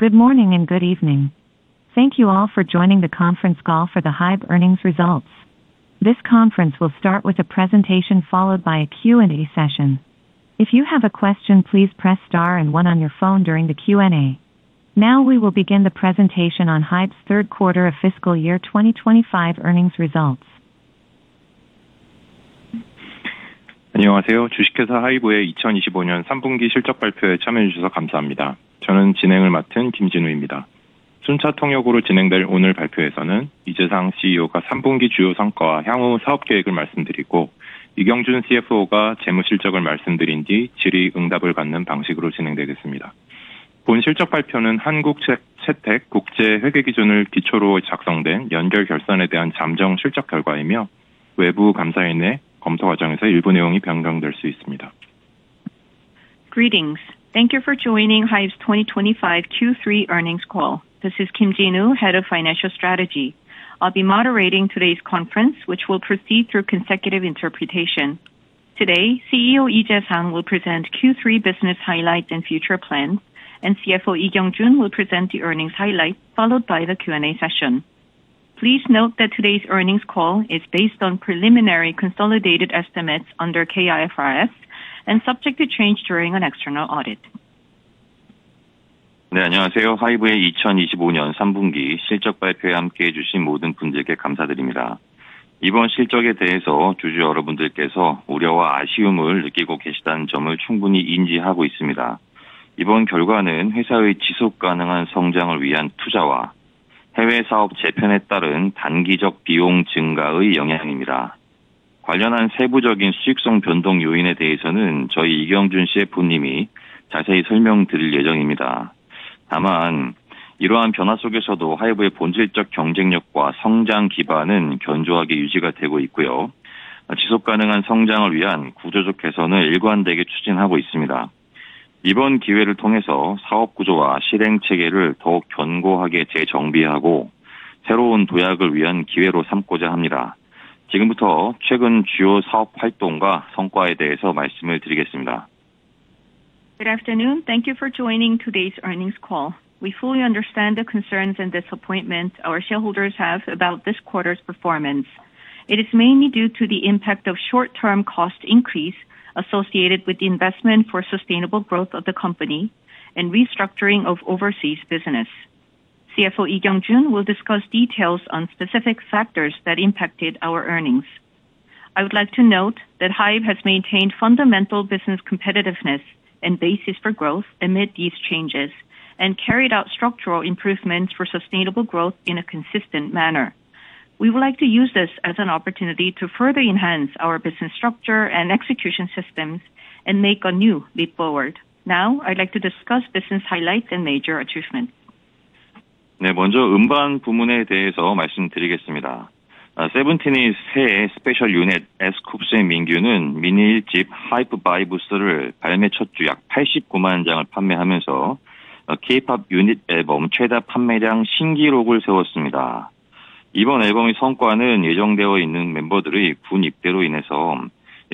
Good morning and good evening. Thank you all for joining the conference call for the HYBE earnings results. This conference will start with a presentation followed by a Q&A session. If you have a question, please press star and one on your phone during the Q&A. Now we will begin the presentation on HYBE's third quarter of fiscal year 2025 earnings results. 안녕하세요. 주식회사 하이브의 2025년 3분기 실적 발표에 참여해 주셔서 감사합니다. 저는 진행을 맡은 김진우입니다. 순차 통역으로 진행될 오늘 발표에서는 이재상 CEO가 3분기 주요 성과와 향후 사업 계획을 말씀드리고, 이경준 CFO가 재무 실적을 말씀드린 뒤 질의응답을 받는 방식으로 진행되겠습니다. 본 실적 발표는 한국 채택 국제 회계 기준을 기초로 작성된 연결 결산에 대한 잠정 실적 결과이며, 외부 감사인의 검토 과정에서 일부 내용이 변경될 수 있습니다. Greetings. Thank you for joining HYBE's 2025 Q3 earnings call. This is Kim Jin-woo, Head of Financial Strategy. I'll be moderating today's conference, which will proceed through consecutive interpretation. Today, CEO Lee Jae-sang will present Q3 business highlights and future plans, and CFO Lee Kyung-jun will present the earnings highlights, followed by the Q&A session. Please note that today's earnings call is based on preliminary consolidated estimates under K-IFRS and subject to change during an external audit. 네, 안녕하세요. 하이브의 2025년 3분기 실적 발표에 함께해 주신 모든 분들께 감사드립니다. 이번 실적에 대해서 주주 여러분들께서 우려와 아쉬움을 느끼고 계시다는 점을 충분히 인지하고 있습니다. 이번 결과는 회사의 지속 가능한 성장을 위한 투자와 해외 사업 재편에 따른 단기적 비용 증가의 영향입니다. 관련한 세부적인 수익성 변동 요인에 대해서는 저희 이경준 CFO님이 자세히 설명드릴 예정입니다. 다만, 이러한 변화 속에서도 하이브의 본질적 경쟁력과 성장 기반은 견조하게 유지가 되고 있고요, 지속 가능한 성장을 위한 구조적 개선을 일관되게 추진하고 있습니다. 이번 기회를 통해서 사업 구조와 실행 체계를 더욱 견고하게 재정비하고, 새로운 도약을 위한 기회로 삼고자 합니다. 지금부터 최근 주요 사업 활동과 성과에 대해서 말씀을 드리겠습니다. Good afternoon. Thank you for joining today's earnings call. We fully understand the concerns and disappointment our shareholders have about this quarter's performance. It is mainly due to the impact of short-term cost increase associated with the investment for sustainable growth of the company and restructuring of overseas business. CFO Lee Kyung-jun will discuss details on specific factors that impacted our earnings. I would like to note that HYBE has maintained fundamental business competitiveness and basis for growth amid these changes and carried out structural improvements for sustainable growth in a consistent manner. We would like to use this as an opportunity to further enhance our business structure and execution systems and make a new leap forward. Now, I'd like to discuss business highlights and major achievements. 네, 먼저 음반 부문에 대해서 말씀드리겠습니다. 세븐틴의 새 스페셜 유닛 에스쿱스 & 민규는 미니 1집 HYBE VIBES를 발매 첫주약 89만 장을 판매하면서 K-POP 유닛 앨범 최다 판매량 신기록을 세웠습니다. 이번 앨범의 성과는 예정되어 있는 멤버들의 군 입대로 인해서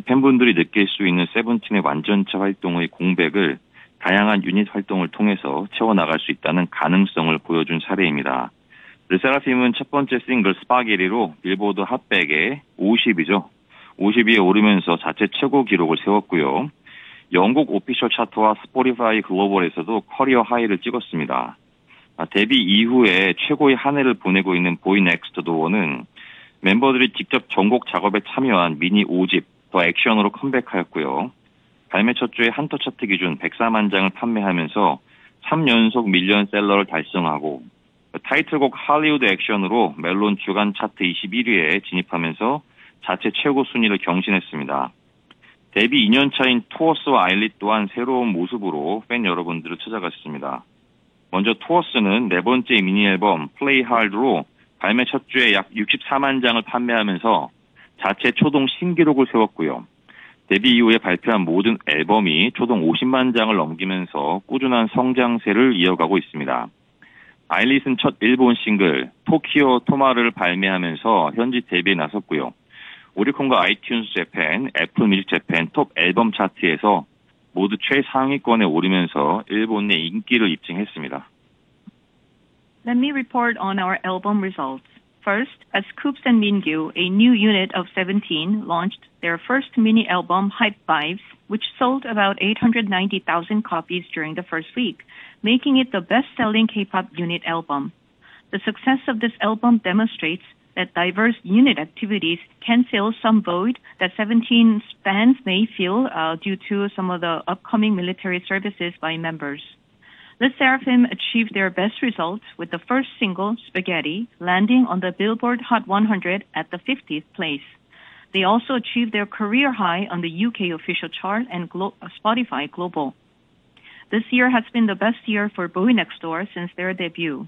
팬분들이 느낄 수 있는 세븐틴의 완전체 활동의 공백을 다양한 유닛 활동을 통해서 채워나갈 수 있다는 가능성을 보여준 사례입니다. 르세라핌은 첫 번째 싱글 Spaghetti로 빌보드 핫 100에 50위에 오르면서 자체 최고 기록을 세웠고요, 영국 오피셜 차트와 스포티파이 글로벌에서도 커리어 하이를 찍었습니다. 데뷔 이후에 최고의 한 해를 보내고 있는 보이넥스트도어는 멤버들이 직접 전곡 작업에 참여한 미니 5집 The Action으로 컴백하였고요, 발매 첫 주에 한터 차트 기준 104만 장을 판매하면서 3연속 밀리언셀러를 달성하고, 타이틀곡 Hollywood Action으로 멜론 주간 차트 21위에 진입하면서 자체 최고 순위를 경신했습니다. 데뷔 2년 차인 TOURCE와 ILLIT 또한 새로운 모습으로 팬 여러분들을 찾아갔습니다. 먼저 TOURCE는 네 번째 미니 앨범 Play Hard로 발매 첫 주에 약 64만 장을 판매하면서 자체 초동 신기록을 세웠고요, 데뷔 이후에 발표한 모든 앨범이 초동 50만 장을 넘기면서 꾸준한 성장세를 이어가고 있습니다. ILLIT은 첫 일본 싱글 Tokyo Tomorrow를 발매하면서 현지 데뷔에 나섰고요, 오리콘과 아이튠즈 재팬, 애플 뮤직 재팬 톱 앨범 차트에서 모두 최상위권에 오르면서 일본 내 인기를 입증했습니다. Let me report on our album results. First, S.COUPS & MINGYU, a new unit of SEVENTEEN, launched their first mini album HYBE VIBES, which sold about 890,000 copies during the first week, making it the best-selling K-POP unit album. The success of this album demonstrates that diverse unit activities can fill some void that SEVENTEEN's fans may feel due to some of the upcoming military services by members. LE SSERAFIM achieved their best results with the first single, Spaghetti, landing on the Billboard Hot 100 at the 50th place. They also achieved their career high on the UK Official Chart and Spotify Global. This year has been the best year for BOYNEXTDOOR since their debut.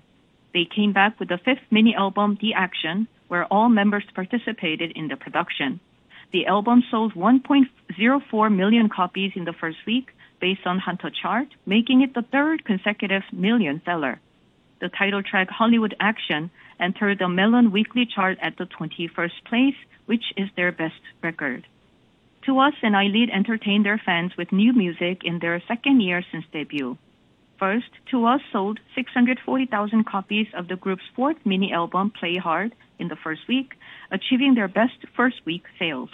They came back with the fifth mini album, The Action, where all members participated in the production. The album sold 1.04 million copies in the first week based on Hanteo Chart, making it the third consecutive million seller. The title track, Hollywood Action, entered the Melon Weekly Chart at the 21st place, which is their best record. TWS and ILLIT entertained their fans with new music in their second year since debut. First, TWS sold 640,000 copies of the group's fourth mini album, Play Hard, in the first week, achieving their best first week sales.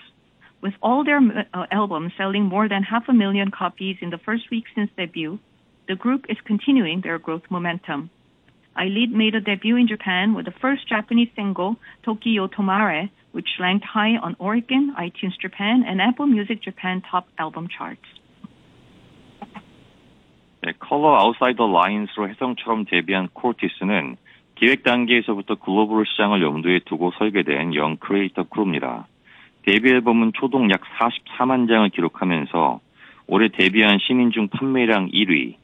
With all their albums selling more than half a million copies in the first week since debut, the group is continuing their growth momentum. ILLIT made a debut in Japan with the first Japanese single, Tokyo Tomorrow, which ranked high on ORICON, iTunes Japan, and Apple Music Japan Top Album Charts. 컬러 아웃사이더 라인스로 해성처럼 데뷔한 코르티스는 기획 단계에서부터 글로벌 시장을 염두에 두고 설계된 영 크리에이터 크루입니다. 데뷔 앨범은 초동 약 44만 장을 기록하면서 올해 데뷔한 신인 중 판매량 1위,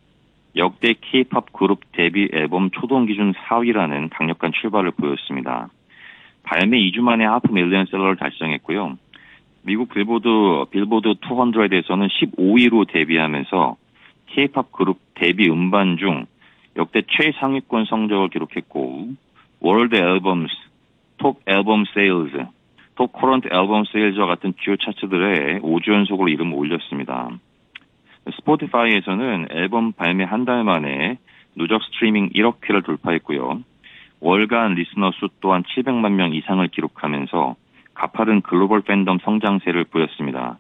역대 K-POP 그룹 데뷔 앨범 초동 기준 4위라는 강력한 출발을 보였습니다. 발매 2주 만에 하프 밀리언셀러를 달성했고요, 미국 빌보드 200에서는 15위로 데뷔하면서 K-POP 그룹 데뷔 음반 중 역대 최상위권 성적을 기록했고, 월드 앨범스, 톱 앨범 세일즈, 톱 커런트 앨범 세일즈와 같은 주요 차트들에 5주 연속으로 이름을 올렸습니다. 스포티파이에서는 앨범 발매 한달 만에 누적 스트리밍 1억 회를 돌파했고요, 월간 리스너 수 또한 700만 명 이상을 기록하면서 가파른 글로벌 팬덤 성장세를 보였습니다.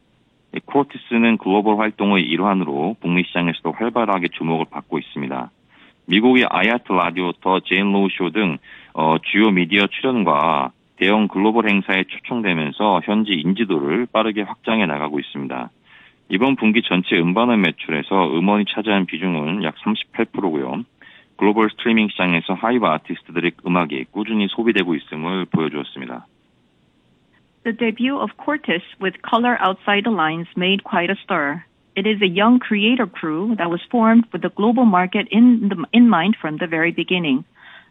코르티스는 글로벌 활동의 일환으로 북미 시장에서도 활발하게 주목을 받고 있습니다. 미국의 IAT 라디오부터 제인 로우쇼 등 주요 미디어 출연과 대형 글로벌 행사에 초청되면서 현지 인지도를 빠르게 확장해 나가고 있습니다. 이번 분기 전체 음반의 매출에서 음원이 차지하는 비중은 약 38%고요, 글로벌 스트리밍 시장에서 하이브 아티스트들의 음악이 꾸준히 소비되고 있음을 보여주었습니다. The debut of CORTIS with Color Outside the Lines made quite a stir. It is a young creator crew that was formed with the global market in mind from the very beginning.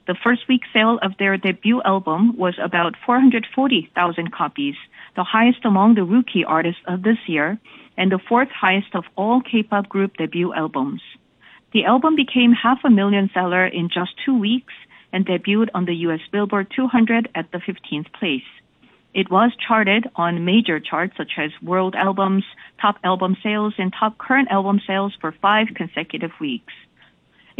The first week sale of their debut album was about 440,000 copies, the highest among the rookie artists of this year and the fourth highest of all K-POP group debut albums. The album became half a million seller in just two weeks and debuted on the US Billboard 200 at the 15th place. It was charted on major charts such as World Albums, Top Album Sales, and Top Current Album Sales for five consecutive weeks.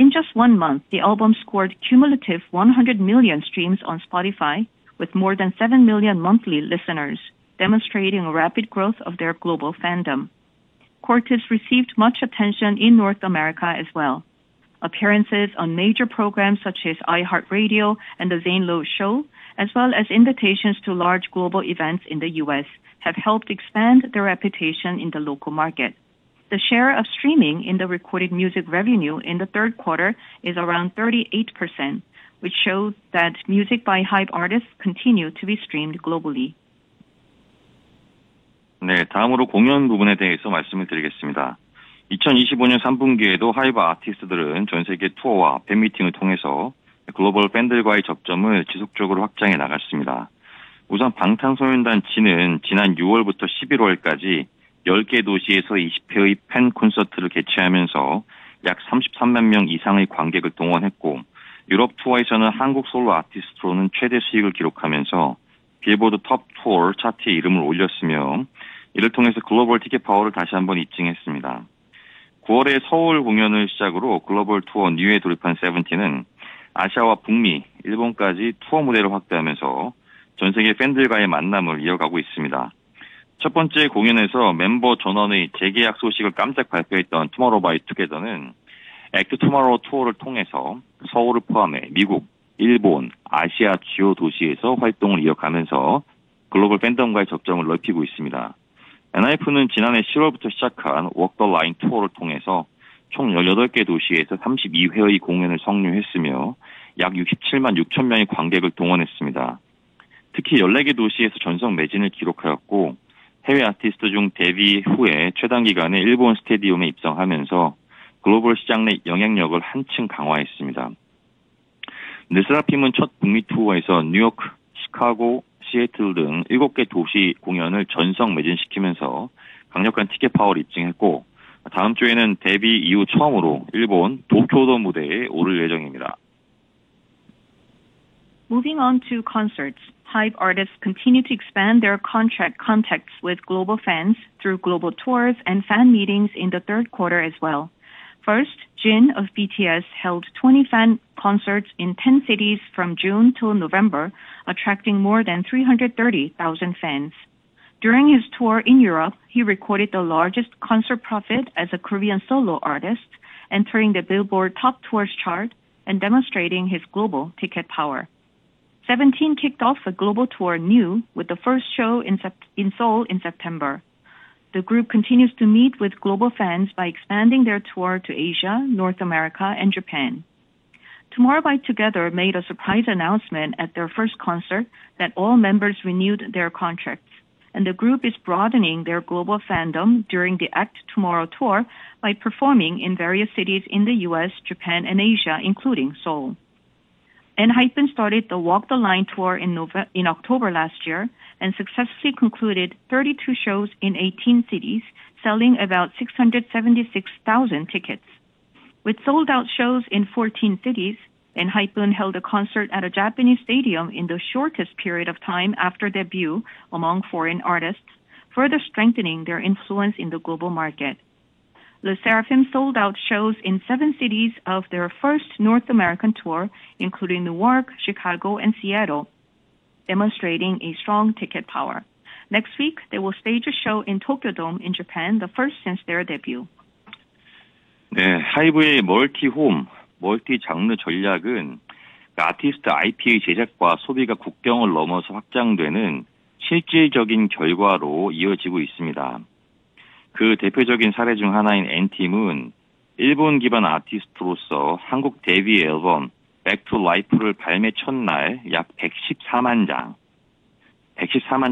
In just one month, the album scored cumulative 100 million streams on Spotify with more than 7 million monthly listeners, demonstrating a rapid growth of their global fandom. CORTIS received much attention in North America as well. Appearances on major programs such as iHeartRadio and the Zane Lowe Show, as well as invitations to large global events in the US, have helped expand their reputation in the local market. The share of streaming in the recorded music revenue in the third quarter is around 38%, which shows that music by HYBE artists continue to be streamed globally. 네, 다음으로 공연 부분에 대해서 말씀을 드리겠습니다. 2025년 3분기에도 하이브 아티스트들은 전 세계 투어와 팬미팅을 통해서 글로벌 팬들과의 접점을 지속적으로 확장해 나갔습니다. 우선 방탄소년단 진은 지난 6월부터 11월까지 10개 도시에서 20회의 팬 콘서트를 개최하면서 약 33만 명 이상의 관객을 동원했고, 유럽 투어에서는 한국 솔로 아티스트로는 최대 수익을 기록하면서 빌보드 톱 투어 차트에 이름을 올렸으며, 이를 통해서 글로벌 티켓 파워를 다시 한번 입증했습니다. 9월에 서울 공연을 시작으로 글로벌 투어 New에 돌입한 세븐틴은 아시아와 북미, 일본까지 투어 무대를 확대하면서 전 세계 팬들과의 만남을 이어가고 있습니다. 첫 번째 공연에서 멤버 전원의 재계약 소식을 깜짝 발표했던 Tomorrow X Together는 Act Tomorrow 투어를 통해서 서울을 포함해 미국, 일본, 아시아 주요 도시에서 활동을 이어가면서 글로벌 팬덤과의 접점을 넓히고 있습니다. 엔하이픈은 지난해 7월부터 시작한 Walk the Line 투어를 통해서 총 18개 도시에서 32회의 공연을 성료했으며, 약 67만 6천 명의 관객을 동원했습니다. 특히 14개 도시에서 전석 매진을 기록하였고, 해외 아티스트 중 데뷔 후에 최단 기간에 일본 스타디움에 입성하면서 글로벌 시장 내 영향력을 한층 강화했습니다. 르세라핌은 첫 북미 투어에서 뉴욕, 시카고, 시애틀 등 7개 도시 공연을 전석 매진시키면서 강력한 티켓 파워를 입증했고, 다음 주에는 데뷔 이후 처음으로 일본 도쿄돔 무대에 오를 예정입니다. Moving on to concerts, HYBE artists continue to expand their contact with global fans through global tours and fan meetings in the third quarter as well. First, Jin of BTS held 20 fan concerts in 10 cities from June till November, attracting more than 330,000 fans. During his tour in Europe, he recorded the largest concert profit as a Korean solo artist, entering the Billboard Top Tours chart and demonstrating his global ticket power. SEVENTEEN kicked off a global tour with the first show in Seoul in September. The group continues to meet with global fans by expanding their tour to Asia, North America, and Japan. Tomorrow X Together made a surprise announcement at their first concert that all members renewed their contracts, and the group is broadening their global fandom during the Act Tomorrow tour by performing in various cities in the US, Japan, and Asia, including Seoul. ENHYPEN started the Walk the Line tour in October last year and successfully concluded 32 shows in 18 cities, selling about 676,000 tickets. With sold-out shows in 14 cities, ENHYPEN held a concert at a Japanese stadium in the shortest period of time after debut among foreign artists, further strengthening their influence in the global market. LE SSERAFIM sold-out shows in seven cities of their first North American tour, including Newark, Chicago, and Seattle, demonstrating strong ticket power. Next week, they will stage a show in Tokyo Dome in Japan, the first since their debut. 네, 하이브의 멀티 홈, 멀티 장르 전략은 아티스트 IP의 제작과 소비가 국경을 넘어서 확장되는 실질적인 결과로 이어지고 있습니다. 그 대표적인 사례 중 하나인 엔하이픈은 일본 기반 아티스트로서 한국 데뷔 앨범 "Romance: Untold"를 발매 첫날 약 114만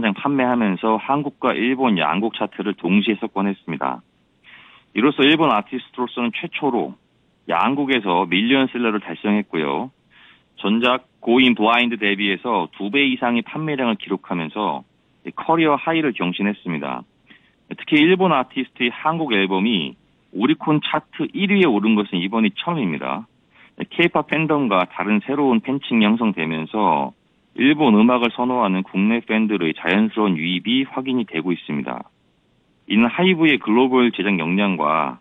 장 판매하면서 한국과 일본 양국 차트를 동시에 석권했습니다. 이로써 일본 아티스트로서는 최초로 양국에서 밀리언셀러를 달성했고, 전작 "Orange Blood" 대비 두배 이상의 판매량을 기록하면서 커리어 하이를 경신했습니다. 특히 일본 아티스트의 한국 앨범이 오리콘 차트 1위에 오른 것은 이번이 처음입니다. K-POP 팬덤과 다른 새로운 팬층이 형성되면서 일본 음악을 선호하는 국내 팬들의 자연스러운 유입이 확인되고 있습니다. 이는 하이브의 글로벌 제작 역량과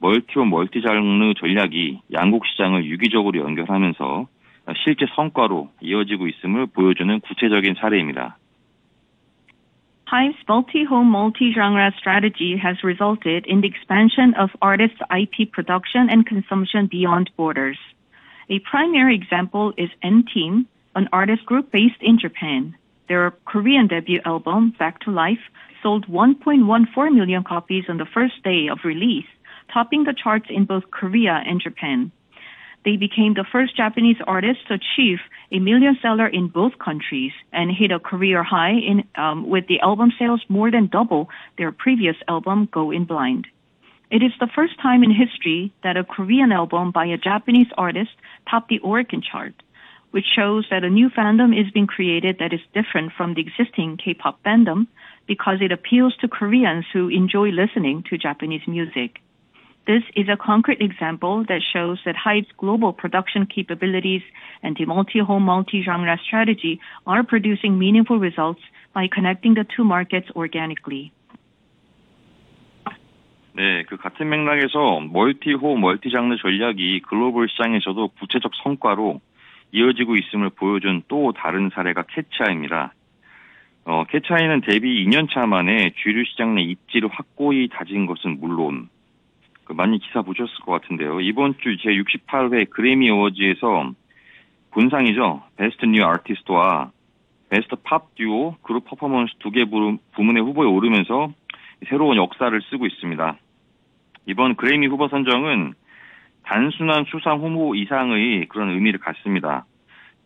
멀티 홈, 멀티 장르 전략이 양국 시장을 유기적으로 연결하면서 실제 성과로 이어지고 있음을 보여주는 구체적인 사례입니다. HYBE's multi-home, multi-genre strategy has resulted in the expansion of artists' IP production and consumption beyond borders. A primary example is ENHYPEN, an artist group based in Japan. Their Korean debut album, Back to Life, sold 1.14 million copies on the first day of release, topping the charts in both Korea and Japan. They became the first Japanese artist to achieve a million seller in both countries and hit a career high with the album sales more than double their previous album, Go in Blind. It is the first time in history that a Korean album by a Japanese artist topped the ORICON chart, which shows that a new fandom is being created that is different from the existing K-POP fandom because it appeals to Koreans who enjoy listening to Japanese music. This is a concrete example that shows that HYBE's global production capabilities and the multi-home, multi-genre strategy are producing meaningful results by connecting the two markets organically. 네, 그 같은 맥락에서 멀티 홈, 멀티 장르 전략이 글로벌 시장에서도 구체적 성과로 이어지고 있음을 보여준 또 다른 사례가 케차이입니다. 케차이는 데뷔 2년 차 만에 주류 시장 내 입지를 확고히 다진 것은 물론, 많이 기사 보셨을 것 같은데요, 이번 주 제68회 그래미 어워즈에서 본상이죠, 베스트 뉴 아티스트와 베스트 팝 듀오 그룹 퍼포먼스 두개 부문에 후보에 오르면서 새로운 역사를 쓰고 있습니다. 이번 그래미 후보 선정은 단순한 수상 후보 이상의 그런 의미를 갖습니다.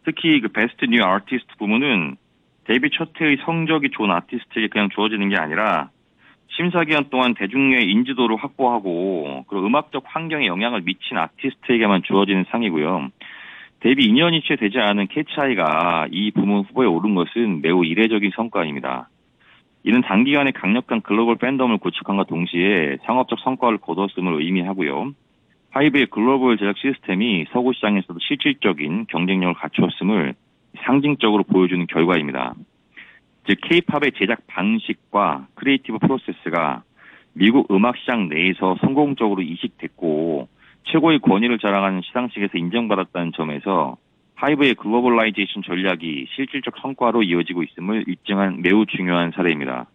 특히 베스트 뉴 아티스트 부문은 데뷔 첫해의 성적이 좋은 아티스트에게 그냥 주어지는 게 아니라 심사 기간 동안 대중의 인지도를 확보하고 음악적 환경에 영향을 미친 아티스트에게만 주어지는 상이고요, 데뷔 2년이 채 되지 않은 케차이가 이 부문 후보에 오른 것은 매우 이례적인 성과입니다. 이는 단기간에 강력한 글로벌 팬덤을 구축함과 동시에 상업적 성과를 거뒀음을 의미하고요, 하이브의 글로벌 제작 시스템이 서구 시장에서도 실질적인 경쟁력을 갖췄음을 상징적으로 보여주는 결과입니다. 즉, K-POP의 제작 방식과 크리에이티브 프로세스가 미국 음악 시장 내에서 성공적으로 이식됐고, 최고의 권위를 자랑하는 시상식에서 인정받았다는 점에서 하이브의 글로벌라이제이션 전략이 실질적 성과로 이어지고 있음을 입증한 매우 중요한 사례입니다.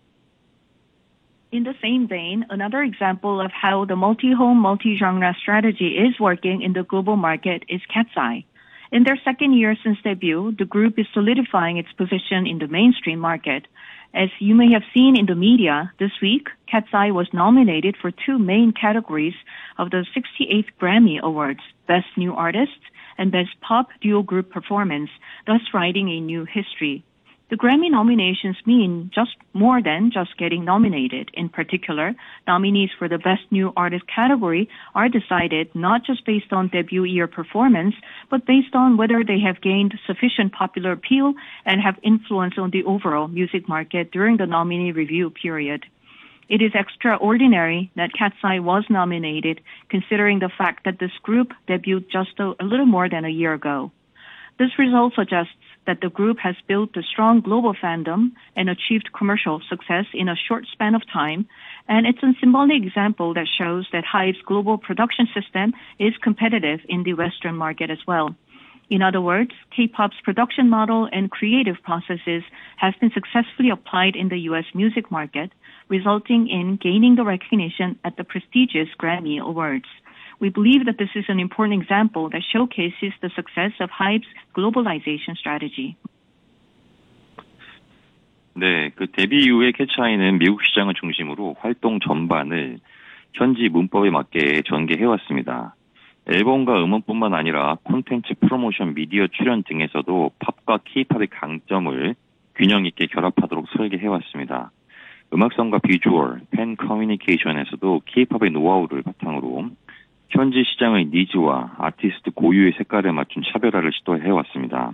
In the same vein, another example of how the multi-home, multi-genre strategy is working in the global market is KATSEYE. In their second year since debut, the group is solidifying its position in the mainstream market. As you may have seen in the media, this week KATSEYE was nominated for two main categories of the 67th Grammy Awards: Best New Artist and Best Pop Duo/Group Performance, thus writing a new history. The Grammy nominations mean just more than just getting nominated. In particular, nominees for the Best New Artist category are decided not just based on debut year performance, but based on whether they have gained sufficient popular appeal and have influence on the overall music market during the nominee review period. It is extraordinary that KATSEYE was nominated, considering the fact that this group debuted just a little more than a year ago. This result suggests that the group has built a strong global fandom and achieved commercial success in a short span of time, and it's a symbolic example that shows that HYBE's global production system is competitive in the Western market as well. In other words, K-pop's production model and creative processes have been successfully applied in the US music market, resulting in gaining the recognition at the prestigious Grammy Awards. We believe that this is an important example that showcases the success of HYBE's globalization strategy. 네, 그 데뷔 이후에 케차이는 미국 시장을 중심으로 활동 전반을 현지 문화에 맞게 전개해 왔습니다. 앨범과 음원뿐만 아니라 콘텐츠, 프로모션, 미디어 출연 등에서도 팝과 K-POP의 강점을 균형 있게 결합하도록 설계해 왔습니다. 음악성과 비주얼, 팬 커뮤니케이션에서도 K-POP의 노하우를 바탕으로 현지 시장의 니즈와 아티스트 고유의 색깔에 맞춘 차별화를 시도해 왔습니다.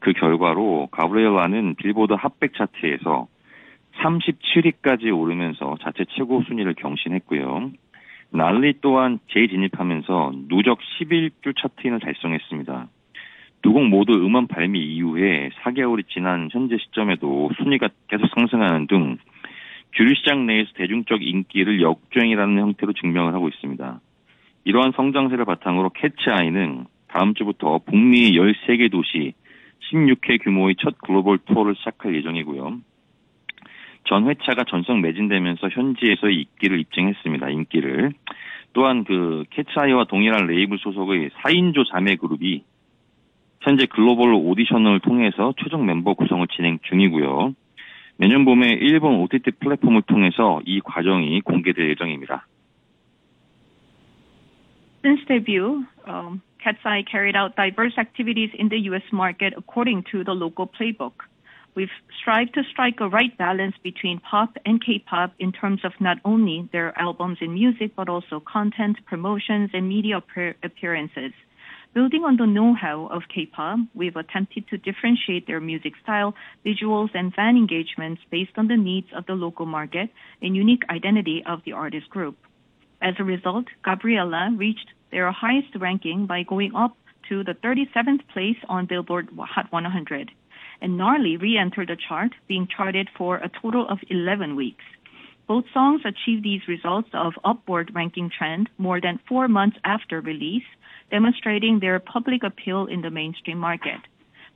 그 결과로 가브리엘라는 빌보드 핫100 차트에서 37위까지 오르면서 자체 최고 순위를 경신했고요, 난리 또한 재진입하면서 누적 11주 차트인을 달성했습니다. 두곡 모두 음원 발매 이후에 4개월이 지난 현재 시점에도 순위가 계속 상승하는 등 주류 시장 내에서 대중적 인기를 역주행이라는 형태로 증명하고 있습니다. 이러한 성장세를 바탕으로 케차이는 다음 주부터 북미 13개 도시, 16회 규모의 첫 글로벌 투어를 시작할 예정이고요, 전 회차가 전석 매진되면서 현지에서의 입지를 입증했습니다. 또한 케차이와 동일한 레이블 소속의 4인조 자매 그룹이 현재 글로벌 오디션을 통해서 최종 멤버 구성을 진행 중이고요, 내년 봄에 일본 OTT 플랫폼을 통해서 이 과정이 공개될 예정입니다. Since debut, KETCHAI carried out diverse activities in the US market according to the local playbook. We've strived to strike a right balance between pop and K-pop in terms of not only their albums and music, but also content, promotions, and media appearances. Building on the know-how of K-pop, we've attempted to differentiate their music style, visuals, and fan engagements based on the needs of the local market and unique identity of the artist group. As a result, GABRIELLA reached their highest ranking by going up to the 37th place on Billboard Hot 100, and NARLI re-entered the chart, being charted for a total of 11 weeks. Both songs achieved these results of upward ranking trend more than four months after release, demonstrating their public appeal in the mainstream market.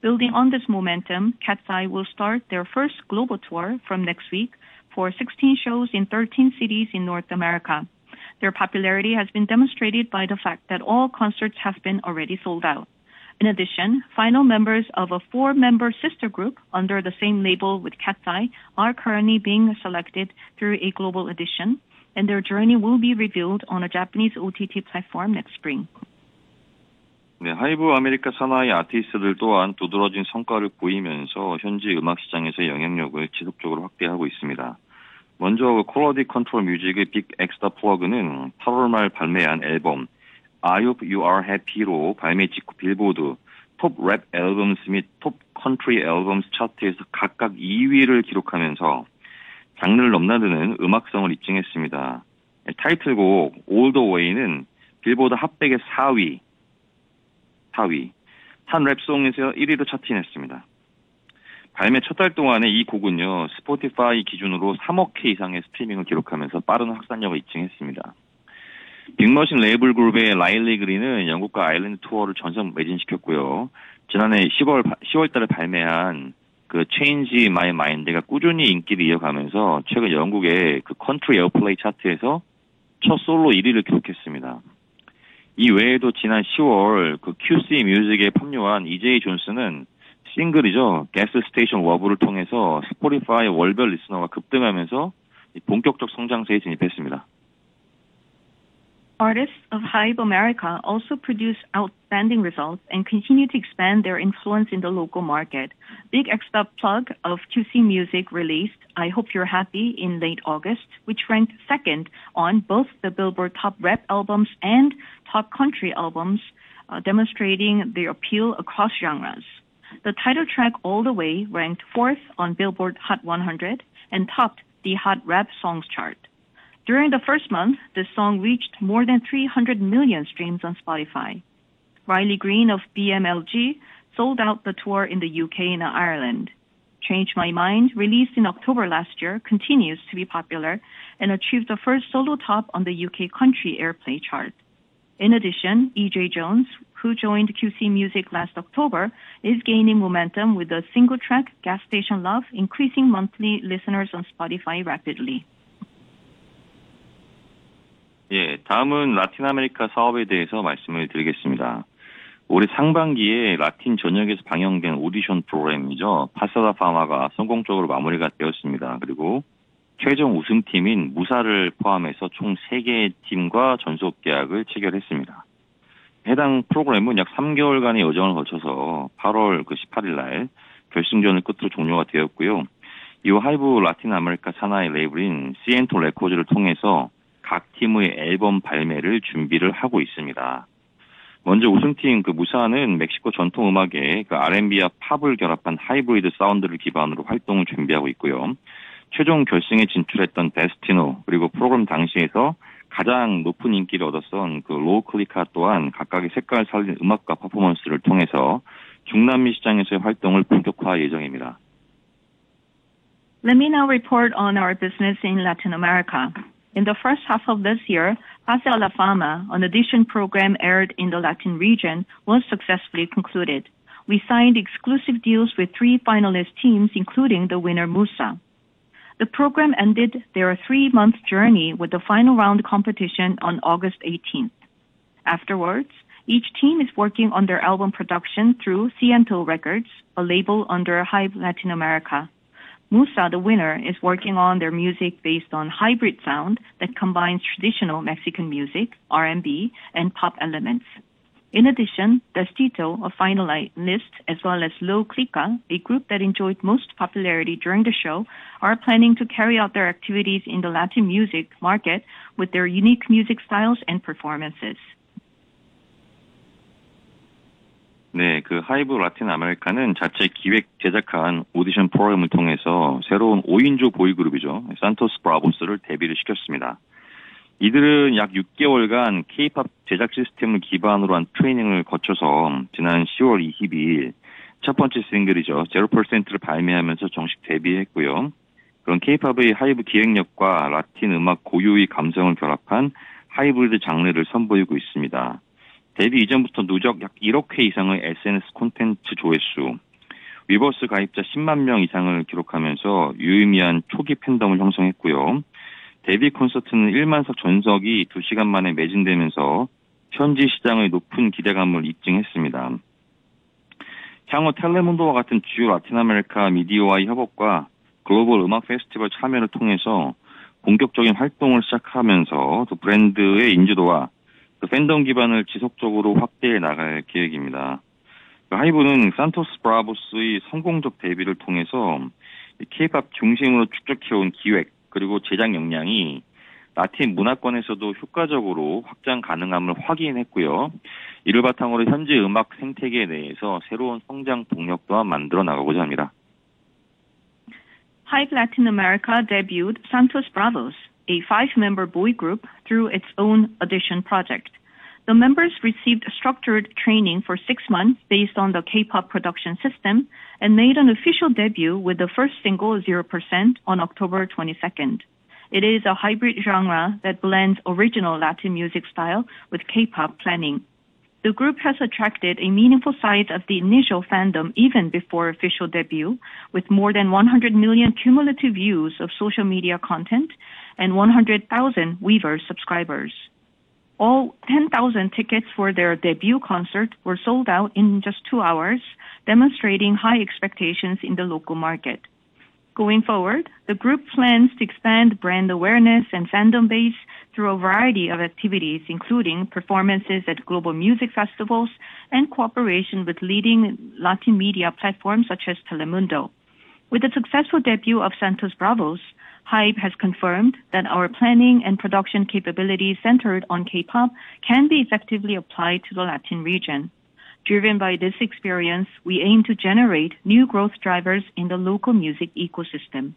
Building on this momentum, KETCHAI will start their first global tour from next week for 16 shows in 13 cities in North America. Their popularity has been demonstrated by the fact that all concerts have been already sold out. In addition, final members of a four-member sister group under the same label with KETCHAI are currently being selected through a global edition, and their journey will be revealed on a Japanese OTT platform next spring. 네, 하이브와 아메리카 산하의 아티스트들 또한 두드러진 성과를 보이면서 현지 음악 시장에서의 영향력을 지속적으로 확대하고 있습니다. 먼저 콜라디 컨트롤 뮤직의 빅 엑스타 플러그는 8월 말 발매한 앨범 I HOPE YOU ARE HAPPY로 발매 직후 빌보드 톱랩 앨범스 및톱 컨트리 앨범스 차트에서 각각 2위를 기록하면서 장르를 넘나드는 음악성을 입증했습니다. 타이틀곡 All The Way는 빌보드 핫 100에 4위, 탑랩 송에서 1위로 차트인했습니다. 발매 첫달 동안 이 곡은 스포티파이 기준으로 3억 회 이상의 스트리밍을 기록하면서 빠른 확산력을 입증했습니다. 빅 머신 레이블 그룹의 라일리 그린은 영국과 아일랜드 투어를 전석 매진시켰고, 지난해 10월에 발매한 Change My Mind가 꾸준히 인기를 이어가면서 최근 영국의 컨트리 에어플레이 차트에서 첫 솔로 1위를 기록했습니다. 이 외에도 지난 10월 QC 뮤직에 합류한 EJ 존스는 싱글 Gas Station WARB을 통해서 스포티파이 월별 리스너가 급등하면서 본격적 성장세에 진입했습니다. Artists of HYBE America also produced outstanding results and continue to expand their influence in the local market. Big Hit's plug of QC Music released I HOPE YOU ARE HAPPY in late August, which ranked second on both the Billboard Top Rap Albums and Top Country Albums, demonstrating their appeal across genres. The title track All The Way ranked fourth on Billboard Hot 100 and topped the Hot Rap Songs chart. During the first month, the song reached more than 300 million streams on Spotify. Riley Green of BMLG sold out the tour in the UK and Ireland. Change My Mind, released in October last year, continues to be popular and achieved the first solo top on the UK Country Airplay chart. In addition, EJ Jones, who joined QC Music last October, is gaining momentum with the single track Gas Station Love, increasing monthly listeners on Spotify rapidly. 네, 다음은 라틴 아메리카 사업에 대해서 말씀드리겠습니다. 올해 상반기에 라틴 전역에서 방영된 오디션 프로그램이죠, 파사다 파마가 성공적으로 마무리되었습니다. 그리고 최종 우승팀인 무사를 포함해서 총 3개의 팀과 전속 계약을 체결했습니다. 해당 프로그램은 약 3개월간의 여정을 거쳐서 8월 18일 결승전을 끝으로 종료되었고요, 이후 하이브 라틴 아메리카 산하의 레이블인 CN2 레코즈를 통해서 각 팀의 앨범 발매를 준비하고 있습니다. 먼저 우승팀 무사는 멕시코 전통 음악에 R&B와 팝을 결합한 하이브리드 사운드를 기반으로 활동을 준비하고 있고요, 최종 결승에 진출했던 데스티노, 그리고 프로그램 당시에서 가장 높은 인기를 얻었던 로우 클리카 또한 각각의 색깔을 살린 음악과 퍼포먼스를 통해서 중남미 시장에서의 활동을 본격화할 예정입니다. Let me now report on our business in Latin America. In the first half of this year, Pas de la Fama, an audition program aired in the Latin region, was successfully concluded. We signed exclusive deals with three finalist teams, including the winner Musa. The program ended their three-month journey with the final round competition on August 18th. Afterwards, each team is working on their album production through CN2 Records, a label under HYBE Latin America. Musa, the winner, is working on their music based on hybrid sound that combines traditional Mexican music, R&B, and pop elements. In addition, Destito, a finalist as well as Low Clica, a group that enjoyed most popularity during the show, are planning to carry out their activities in the Latin music market with their unique music styles and performances. 네, 그 하이브 라틴 아메리카는 자체 기획 제작한 오디션 프로그램을 통해서 새로운 5인조 보이 그룹이죠, 산토스 브라보스를 데뷔시켰습니다. 이들은 약 6개월간 K-POP 제작 시스템을 기반으로 한 트레이닝을 거쳐서 지난 10월 22일 첫 번째 싱글이죠, Zero Percent를 발매하면서 정식 데뷔했고요, 그런 K-POP의 하이브 기획력과 라틴 음악 고유의 감성을 결합한 하이브리드 장르를 선보이고 있습니다. 데뷔 이전부터 누적 약 1억 회 이상의 SNS 콘텐츠 조회수, 위버스 가입자 10만 명 이상을 기록하면서 유의미한 초기 팬덤을 형성했고요, 데뷔 콘서트는 1만 석 전석이 2시간 만에 매진되면서 현지 시장의 높은 기대감을 입증했습니다. 향후 텔레문도와 같은 주요 라틴 아메리카 미디어와의 협업과 글로벌 음악 페스티벌 참여를 통해서 본격적인 활동을 시작하면서 브랜드의 인지도와 팬덤 기반을 지속적으로 확대해 나갈 계획입니다. 하이브는 산토스 브라보스의 성공적 데뷔를 통해서 K-POP 중심으로 축적해 온 기획 그리고 제작 역량이 라틴 문화권에서도 효과적으로 확장 가능함을 확인했고요, 이를 바탕으로 현지 음악 생태계 내에서 새로운 성장 동력 또한 만들어 나가고자 합니다. HYBE Latin America debuted Santos Bravos, a five-member boy group through its own audition project. The members received structured training for six months based on the K-POP production system and made an official debut with the first single "Zero Percent" on October 22nd. It is a hybrid genre that blends original Latin music style with K-POP planning. The group has attracted a meaningful side of the initial fandom even before official debut, with more than 100 million cumulative views of social media content and 100,000 Weverse subscribers. All 10,000 tickets for their debut concert were sold out in just two hours, demonstrating high expectations in the local market. Going forward, the group plans to expand brand awareness and fandom base through a variety of activities, including performances at global music festivals and cooperation with leading Latin media platforms such as Telemundo. With the successful debut of Santos Bravos, HYBE has confirmed that our planning and production capabilities centered on K-POP can be effectively applied to the Latin region. Driven by this experience, we aim to generate new growth drivers in the local music ecosystem.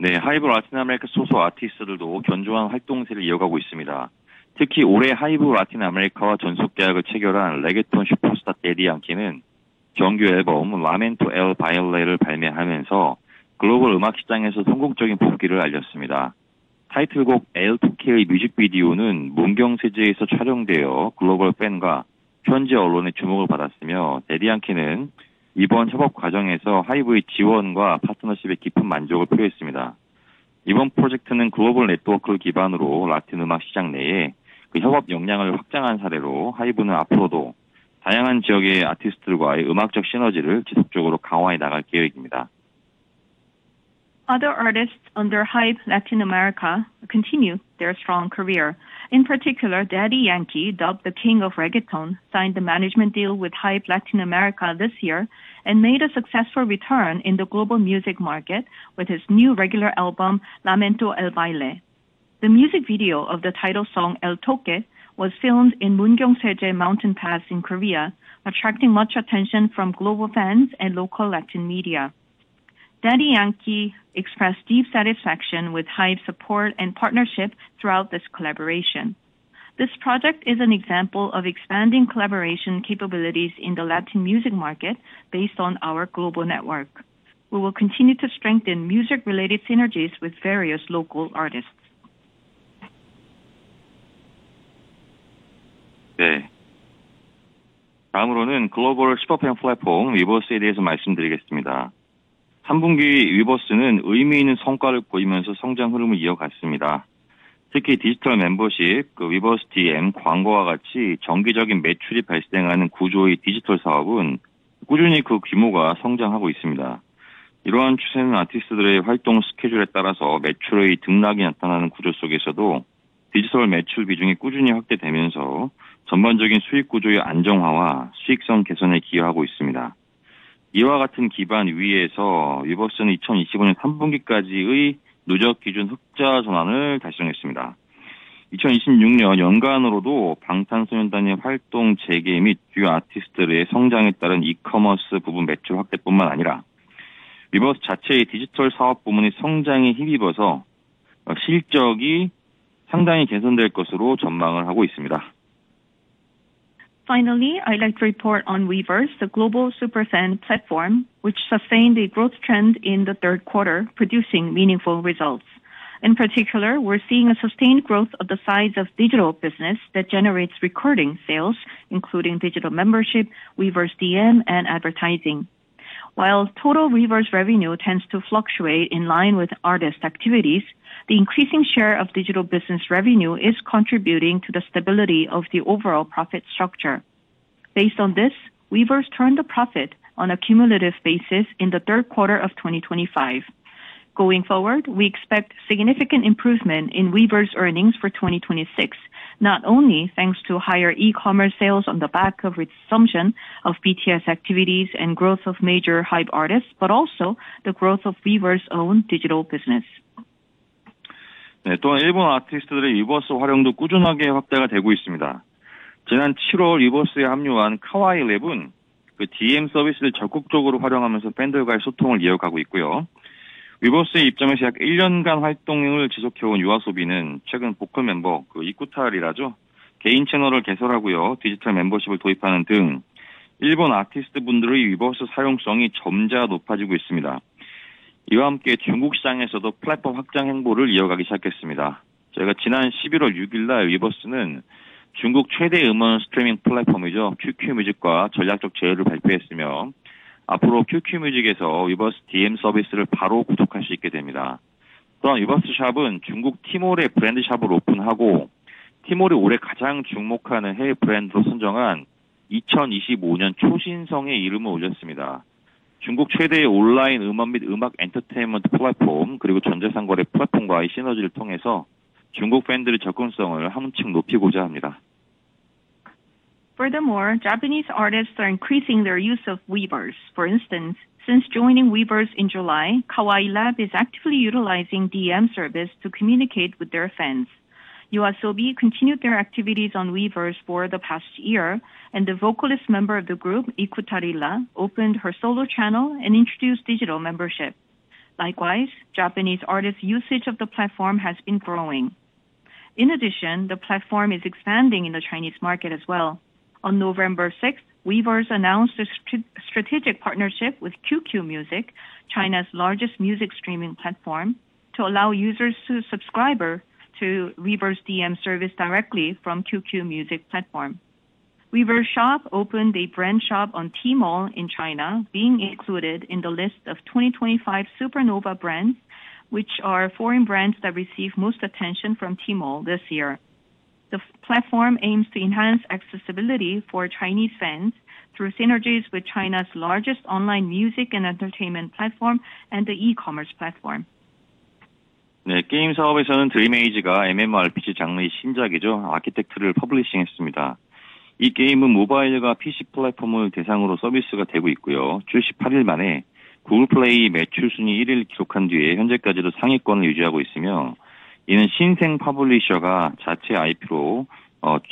네, 하이브 라틴 아메리카 소속 아티스트들도 견고한 활동세를 이어가고 있습니다. 특히 올해 하이브 라틴 아메리카와 전속 계약을 체결한 레게톤 슈퍼스타 데디안케는 정규 앨범 Lament to El Baile를 발매하면서 글로벌 음악 시장에서 성공적인 복귀를 알렸습니다. 타이틀곡 L2K의 뮤직비디오는 문경새재에서 촬영되어 글로벌 팬과 현지 언론의 주목을 받았으며, 데디안케는 이번 협업 과정에서 하이브의 지원과 파트너십에 깊은 만족을 표했습니다. 이번 프로젝트는 글로벌 네트워크를 기반으로 라틴 음악 시장 내에서 협업 역량을 확장한 사례로, 하이브는 앞으로도 다양한 지역의 아티스트들과의 음악적 시너지를 지속적으로 강화해 나갈 계획입니다. Other artists under HYBE Latin America continue their strong career. In particular, Daddy Yankee, dubbed the King of Reggaeton, signed the management deal with HYBE Latin America this year and made a successful return in the global music market with his new regular album Legendaddy. The music video of the title song "El Toque" was filmed in Mungyeongsaejae Mountain Pass in Korea, attracting much attention from global fans and local Latin media. Daddy Yankee expressed deep satisfaction with HYBE's support and partnership throughout this collaboration. This project is an example of expanding collaboration capabilities in the Latin music market based on our global network. We will continue to strengthen music-related synergies with various local artists. 네, 다음으로는 글로벌 슈퍼 팬 플랫폼 위버스에 대해서 말씀드리겠습니다. 3분기 위버스는 의미 있는 성과를 보이면서 성장 흐름을 이어갔습니다. 특히 디지털 멤버십, 위버스 DM 광고와 같이 정기적인 매출이 발생하는 구조의 디지털 사업은 꾸준히 그 규모가 성장하고 있습니다. 이러한 추세는 아티스트들의 활동 스케줄에 따라서 매출의 등락이 나타나는 구조 속에서도 디지털 매출 비중이 꾸준히 확대되면서 전반적인 수익 구조의 안정화와 수익성 개선에 기여하고 있습니다. 이와 같은 기반 위에서 위버스는 2025년 3분기까지의 누적 기준 흑자 전환을 달성했습니다. 2026년 연간으로도 방탄소년단의 활동 재개 및 주요 아티스트들의 성장에 따른 이커머스 부분 매출 확대뿐만 아니라 위버스 자체의 디지털 사업 부문의 성장에 힘입어서 실적이 상당히 개선될 것으로 전망하고 있습니다. Finally, I'd like to report on Weavers, the global super fan platform, which sustained a growth trend in the third quarter, producing meaningful results. In particular, we're seeing a sustained growth of the size of digital business that generates recurring sales, including digital membership, Weavers DM, and advertising. While total Weavers revenue tends to fluctuate in line with artist activities, the increasing share of digital business revenue is contributing to the stability of the overall profit structure. Based on this, Weavers turned a profit on a cumulative basis in the third quarter of 2025. Going forward, we expect significant improvement in Weavers earnings for 2026, not only thanks to higher e-commerce sales on the back of resumption of BTS activities and growth of major HYBE artists, but also the growth of Weavers' own digital business. 네, 또한 일본 아티스트들의 위버스 활용도 꾸준하게 확대되고 있습니다. 지난 7월 위버스에 합류한 카와이 랩은 DM 서비스를 적극적으로 활용하면서 팬들과의 소통을 이어가고 있고요. 위버스의 입장에서 약 1년간 활동을 지속해 온 유아소비는 최근 보컬 멤버 이쿠타라죠, 개인 채널을 개설하고요. 디지털 멤버십을 도입하는 등 일본 아티스트분들의 위버스 사용성이 점차 높아지고 있습니다. 이와 함께 중국 시장에서도 플랫폼 확장 행보를 이어가기 시작했습니다. 저희가 지난 11월 6일 위버스는 중국 최대 음원 스트리밍 플랫폼이죠, QQ 뮤직과 전략적 제휴를 발표했으며, 앞으로 QQ 뮤직에서 위버스 DM 서비스를 바로 구독할 수 있게 됩니다. 또한 위버스 샵은 중국 티몰에 브랜드 샵을 오픈하고, 티몰이 올해 가장 주목하는 해외 브랜드로 선정한 2025년 초신성에 이름을 올렸습니다. 중국 최대의 온라인 음원 및 음악 엔터테인먼트 플랫폼, 그리고 전자상거래 플랫폼과의 시너지를 통해서 중국 팬들의 접근성을 한층 높이고자 합니다. Furthermore, Japanese artists are increasing their use of Weavers. For instance, since joining Weavers in July, Kawai Lab is actively utilizing DM service to communicate with their fans. YOASOBI continued their activities on Weavers for the past year, and the vocalist member of the group, Ikura, opened her solo channel and introduced digital membership. Likewise, Japanese artists' usage of the platform has been growing. In addition, the platform is expanding in the Chinese market as well. On November 6th, Weavers announced a strategic partnership with QQ Music, China's largest music streaming platform, to allow users to subscribe to Weavers DM service directly from QQ Music platform. Weavers Shop opened a brand shop on Tmall in China, being included in the list of 2025 Supernova brands, which are foreign brands that received most attention from Tmall this year. The platform aims to enhance accessibility for Chinese fans through synergies with China's largest online music and entertainment platform and the e-commerce platform. 네, 게임 사업에서는 드림에이지가 MMORPG 장르의 신작이죠. 아키텍트를 퍼블리싱했습니다. 이 게임은 모바일과 PC 플랫폼을 대상으로 서비스가 되고 있고요. 출시 8일 만에 구글 플레이 매출 순위 1위를 기록한 뒤에 현재까지도 상위권을 유지하고 있으며, 이는 신생 퍼블리셔가 자체 IP로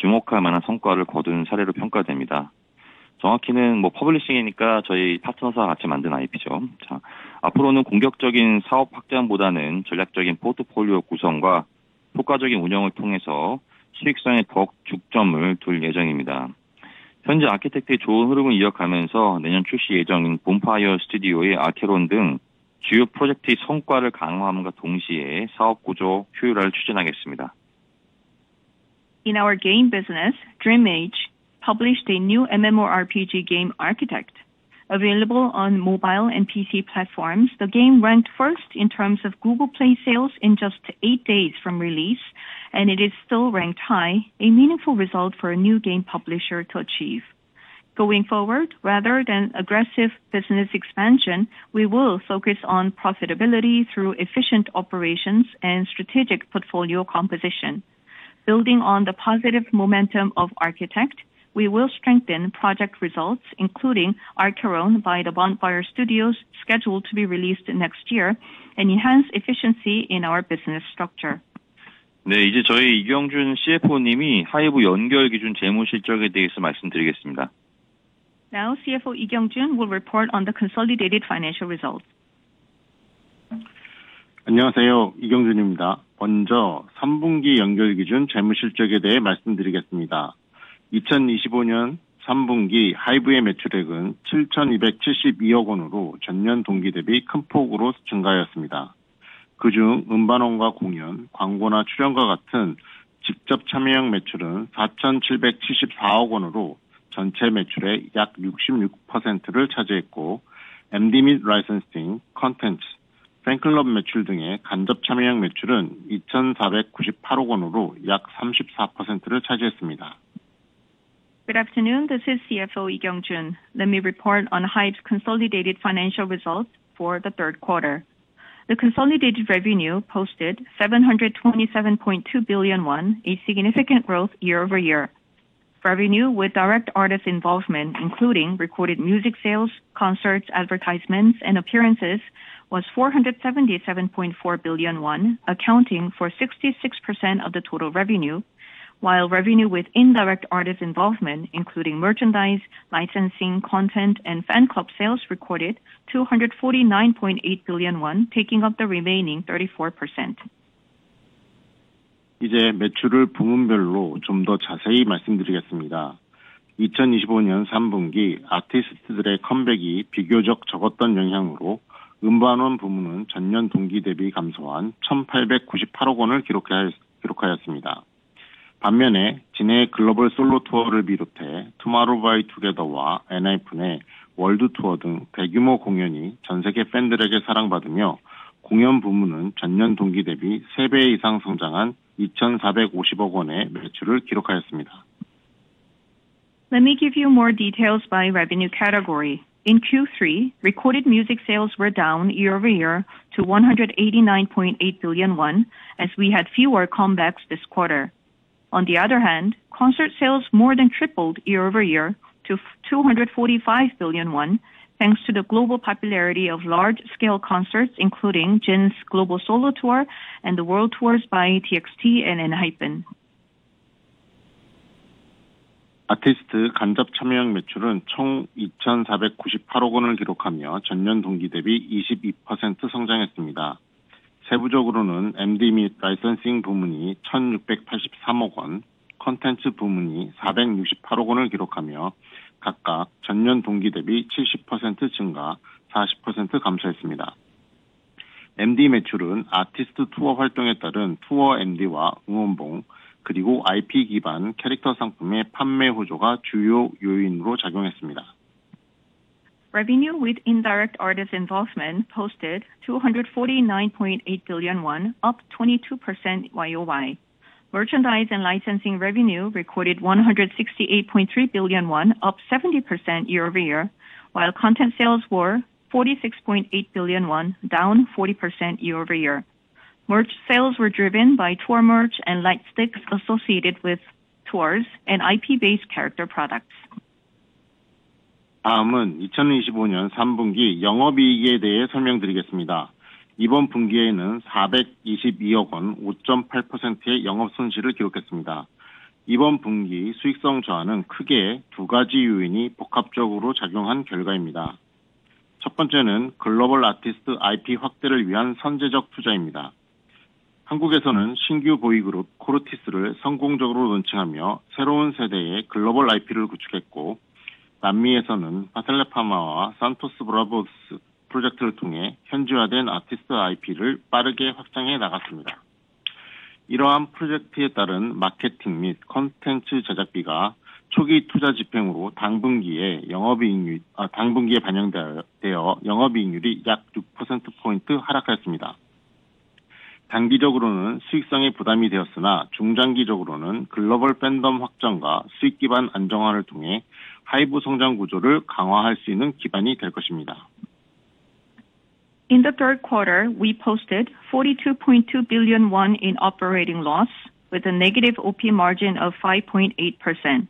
주목할 만한 성과를 거둔 사례로 평가됩니다. 정확히는 퍼블리싱이니까 저희 파트너사와 같이 만든 IP죠. 앞으로는 공격적인 사업 확장보다는 전략적인 포트폴리오 구성과 효과적인 운영을 통해서 수익성에 더욱 중점을 둘 예정입니다. 현재 아키텍트의 좋은 흐름을 이어가면서 내년 출시 예정인 본파이어 스튜디오의 아케론 등 주요 프로젝트의 성과를 강화함과 동시에 사업 구조 효율화를 추진하겠습니다. In our game business, DreamAge published a new MMORPG game Architect. Available on mobile and PC platforms, the game ranked first in terms of Google Play sales in just eight days from release, and it is still ranked high, a meaningful result for a new game publisher to achieve. Going forward, rather than aggressive business expansion, we will focus on profitability through efficient operations and strategic portfolio composition. Building on the positive momentum of Architect, we will strengthen project results, including Archeron by the Bonfire Studios, scheduled to be released next year, and enhance efficiency in our business structure. 네, 이제 저희 이경준 CFO님이 하이브 연결 기준 재무 실적에 대해서 말씀드리겠습니다. Now, CFO Lee Kyung-jun will report on the consolidated financial results. 안녕하세요, 이경준입니다. 먼저 3분기 연결 기준 재무 실적에 대해 말씀드리겠습니다. 2024년 3분기 하이브의 매출액은 ₩727.2억 원으로 전년 동기 대비 큰 폭으로 증가하였습니다. 그중 음반과 공연, 광고나 출연과 같은 직접 참여형 매출은 ₩477.4억 원으로 전체 매출의 약 66%를 차지했고, MD 및 라이선싱, 콘텐츠, 팬클럽 매출 등의 간접 참여형 매출은 ₩249.8억 원으로 약 34%를 차지했습니다. Good afternoon, this is CFO Lee Kyung-jun. Let me report on HYBE's consolidated financial results for the third quarter. The consolidated revenue posted ₩727.2 billion, a significant growth year over year. Revenue with direct artist involvement, including recorded music sales, concerts, advertisements, and appearances, was ₩477.4 billion, accounting for 66% of the total revenue, while revenue with indirect artist involvement, including merchandise, licensing, content, and fan club sales, recorded ₩249.8 billion, taking up the remaining 34%. 이제 매출을 부문별로 좀더 자세히 말씀드리겠습니다. 2025년 3분기 아티스트들의 컴백이 비교적 적었던 영향으로 음반 부문은 전년 동기 대비 감소한 ₩1,898억 원을 기록하였습니다. 반면에 진의 글로벌 솔로 투어를 비롯해 투모로우바이투게더와 엔하이픈의 월드 투어 등 대규모 공연이 전 세계 팬들에게 사랑받으며, 공연 부문은 전년 동기 대비 3배 이상 성장한 ₩2,450억 원의 매출을 기록하였습니다. Let me give you more details by revenue category. In Q3, recorded music sales were down year over year to ₩189.8 billion, as we had fewer comebacks this quarter. On the other hand, concert sales more than tripled year over year to ₩245 billion, thanks to the global popularity of large-scale concerts, including Jin's global solo tour and the world tours by TXT and ENHYPEN. 아티스트 간접 참여형 매출은 총 2,498억 원을 기록하며 전년 동기 대비 22% 성장했습니다. 세부적으로는 MD 및 라이선싱 부문이 1,683억 원, 콘텐츠 부문이 468억 원을 기록하며 각각 전년 동기 대비 70% 증가, 40% 감소했습니다. MD 매출은 아티스트 투어 활동에 따른 투어 MD와 응원봉, 그리고 IP 기반 캐릭터 상품의 판매 호조가 주요 요인으로 작용했습니다. Revenue with indirect artist involvement posted ₩249.8 billion, up 22% YOY. Merchandise and licensing revenue recorded ₩168.3 billion, up 70% year over year, while content sales were ₩46.8 billion, down 40% year over year. Merch sales were driven by tour merch and lightsticks associated with tours and IP-based character products. 다음은 2025년 3분기 영업 이익에 대해 설명드리겠습니다. 이번 분기에는 422억 원, 5.8%의 영업 손실을 기록했습니다. 이번 분기 수익성 저하는 크게 두 가지 요인이 복합적으로 작용한 결과입니다. 첫 번째는 글로벌 아티스트 IP 확대를 위한 선제적 투자입니다. 한국에서는 신규 보이그룹 코르티스를 성공적으로 론칭하며 새로운 세대의 글로벌 IP를 구축했고, 남미에서는 파텔레파마와 산토스 브라보스 프로젝트를 통해 현지화된 아티스트 IP를 빠르게 확장해 나갔습니다. 이러한 프로젝트에 따른 마케팅 및 콘텐츠 제작비가 초기 투자 집행으로 당분기에 반영되어 영업 이익률이 약 6% 포인트 하락하였습니다. 단기적으로는 수익성에 부담이 되었으나, 중장기적으로는 글로벌 팬덤 확장과 수익 기반 안정화를 통해 하이브 성장 구조를 강화할 수 있는 기반이 될 것입니다. In the third quarter, we posted ₩42.2 billion in operating loss, with a negative OP margin of 5.8%.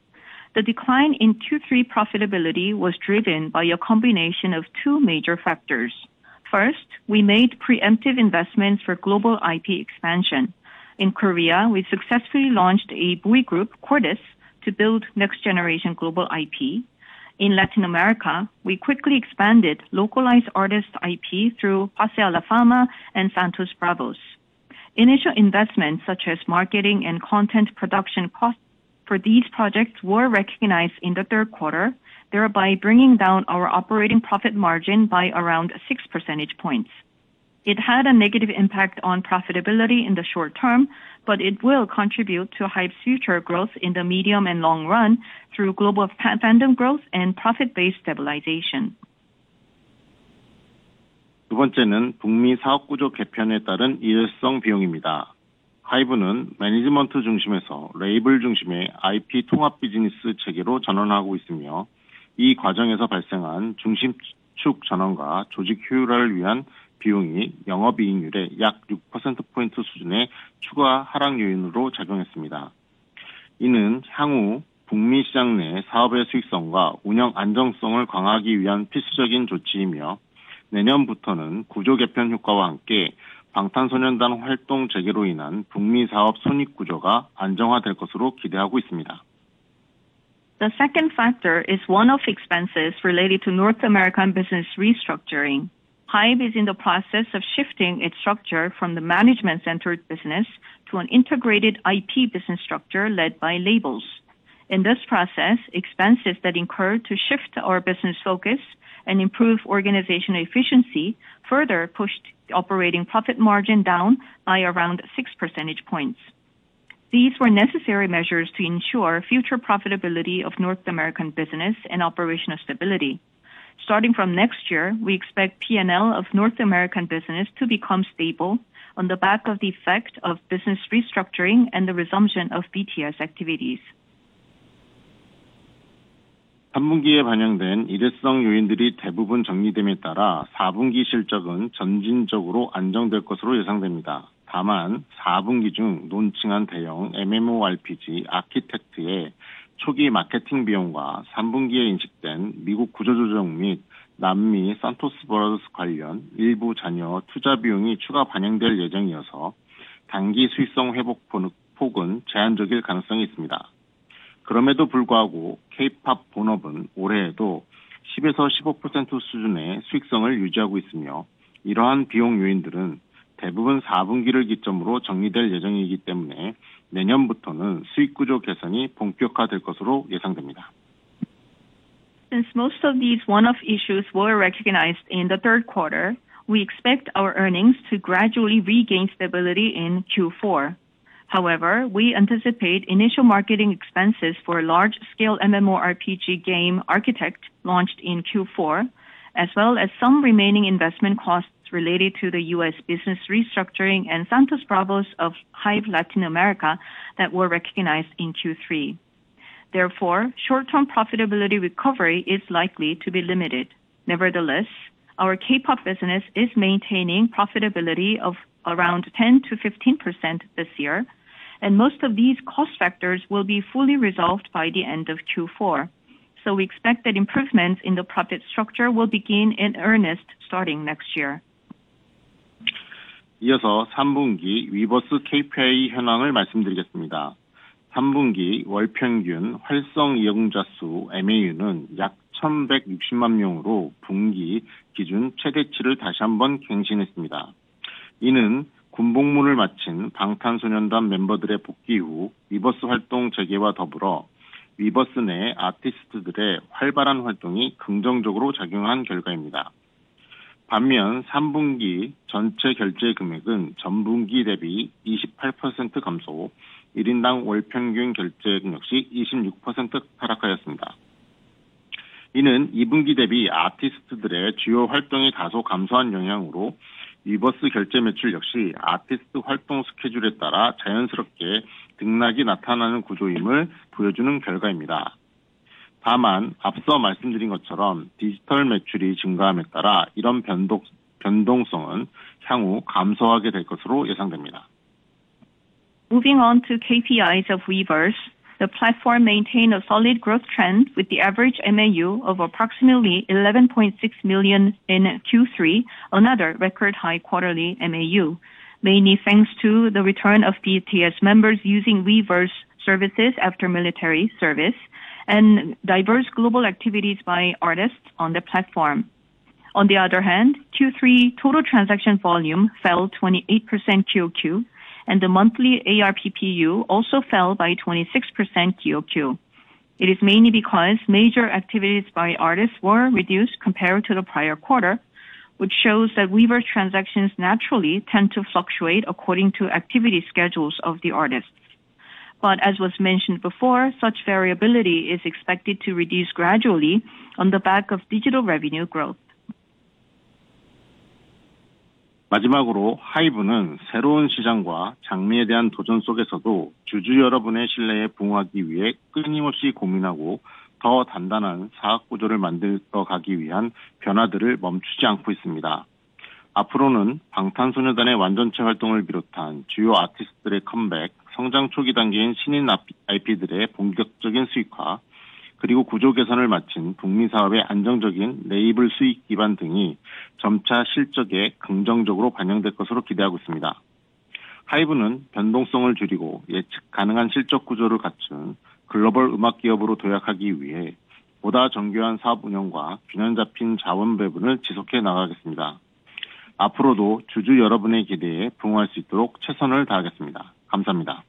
The decline in Q3 profitability was driven by a combination of two major factors. First, we made preemptive investments for global IP expansion. In Korea, we successfully launched a boy group, KORDIS, to build next-generation global IP. In Latin America, we quickly expanded localized artist IP through Paseo La Fama and Santos Bravos. Initial investments such as marketing and content production costs for these projects were recognized in the third quarter, thereby bringing down our operating profit margin by around 6 percentage points. It had a negative impact on profitability in the short term, but it will contribute to HYBE's future growth in the medium and long run through global fandom growth and profit-based stabilization. 두 번째는 북미 사업 구조 개편에 따른 일회성 비용입니다. 하이브는 매니지먼트 중심에서 레이블 중심의 IP 통합 비즈니스 체계로 전환하고 있으며, 이 과정에서 발생한 중심축 전환과 조직 효율화를 위한 비용이 영업 이익률의 약 6%포인트 수준의 추가 하락 요인으로 작용했습니다. 이는 향후 북미 시장 내 사업의 수익성과 운영 안정성을 강화하기 위한 필수적인 조치이며, 내년부터는 구조 개편 효과와 함께 방탄소년단 활동 재개로 인한 북미 사업 손익 구조가 안정화될 것으로 기대하고 있습니다. The second factor is one of expenses related to North American business restructuring. HYBE is in the process of shifting its structure from the management-centered business to an integrated IP business structure led by labels. In this process, expenses that incurred to shift our business focus and improve organizational efficiency further pushed operating profit margin down by around 6%. These were necessary measures to ensure future profitability of North American business and operational stability. Starting from next year, we expect P&L of North American business to become stable on the back of the effect of business restructuring and the resumption of BTS activities. 3분기에 반영된 일회성 요인들이 대부분 정리됨에 따라 4분기 실적은 점진적으로 안정될 것으로 예상됩니다. 다만 4분기 중 론칭한 대형 MMORPG 아키텍트의 초기 마케팅 비용과 3분기에 인식된 미국 구조조정 및 남미 산토스 브라보스 관련 일부 잔여 투자 비용이 추가 반영될 예정이어서 단기 수익성 회복 폭은 제한적일 가능성이 있습니다. 그럼에도 불구하고 K-POP 본업은 올해에도 10~15% 수준의 수익성을 유지하고 있으며, 이러한 비용 요인들은 대부분 4분기를 기점으로 정리될 예정이기 때문에 내년부터는 수익 구조 개선이 본격화될 것으로 예상됩니다. Since most of these one-off issues were recognized in the third quarter, we expect our earnings to gradually regain stability in Q4. However, we anticipate initial marketing expenses for a large-scale MMORPG game Architect launched in Q4, as well as some remaining investment costs related to the U.S. business restructuring and Santos Bravos of HYBE Latin America that were recognized in Q3. Therefore, short-term profitability recovery is likely to be limited. Nevertheless, our K-POP business is maintaining profitability of around 10% to 15% this year, and most of these cost factors will be fully resolved by the end of Q4. We expect that improvements in the profit structure will begin in earnest starting next year. 이어서 3분기 위버스 KPI 현황을 말씀드리겠습니다. 3분기 월평균 활성 이용자 수 MAU는 약 1,160만 명으로 분기 기준 최대치를 다시 한번 갱신했습니다. 이는 군복무를 마친 방탄소년단 멤버들의 복귀 후 위버스 활동 재개와 더불어 위버스 내 아티스트들의 활발한 활동이 긍정적으로 작용한 결과입니다. 반면 3분기 전체 결제 금액은 전분기 대비 28% 감소, 1인당 월평균 결제액 역시 26% 하락하였습니다. 이는 2분기 대비 아티스트들의 주요 활동이 다소 감소한 영향으로 위버스 결제 매출 역시 아티스트 활동 스케줄에 따라 자연스럽게 등락이 나타나는 구조임을 보여주는 결과입니다. 다만 앞서 말씀드린 것처럼 디지털 매출이 증가함에 따라 이런 변동성은 향후 감소하게 될 것으로 예상됩니다. Moving on to KPIs of Weverse, the platform maintained a solid growth trend with the average MAU of approximately 11.6 million in Q3, another record high quarterly MAU, mainly thanks to the return of BTS members using Weverse services after military service and diverse global activities by artists on the platform. On the other hand, Q3 total transaction volume fell 28% QOQ, and the monthly ARPPU also fell by 26% QOQ. It is mainly because major activities by artists were reduced compared to the prior quarter, which shows that Weverse transactions naturally tend to fluctuate according to activity schedules of the artists. As was mentioned before, such variability is expected to reduce gradually on the back of digital revenue growth. 마지막으로 하이브는 새로운 시장과 장르에 대한 도전 속에서도 주주 여러분의 신뢰에 부응하기 위해 끊임없이 고민하고 더 단단한 사업 구조를 만들어가기 위한 변화들을 멈추지 않고 있습니다. 앞으로는 방탄소년단의 완전체 활동을 비롯한 주요 아티스트들의 컴백, 성장 초기 단계인 신인 IP들의 본격적인 수익화, 그리고 구조 개선을 마친 북미 사업의 안정적인 레이블 수익 기반 등이 점차 실적에 긍정적으로 반영될 것으로 기대하고 있습니다. 하이브는 변동성을 줄이고 예측 가능한 실적 구조를 갖춘 글로벌 음악 기업으로 도약하기 위해 보다 정교한 사업 운영과 균형 잡힌 자원 배분을 지속해 나가겠습니다. 앞으로도 주주 여러분의 기대에 부응할 수 있도록 최선을 다하겠습니다. 감사합니다.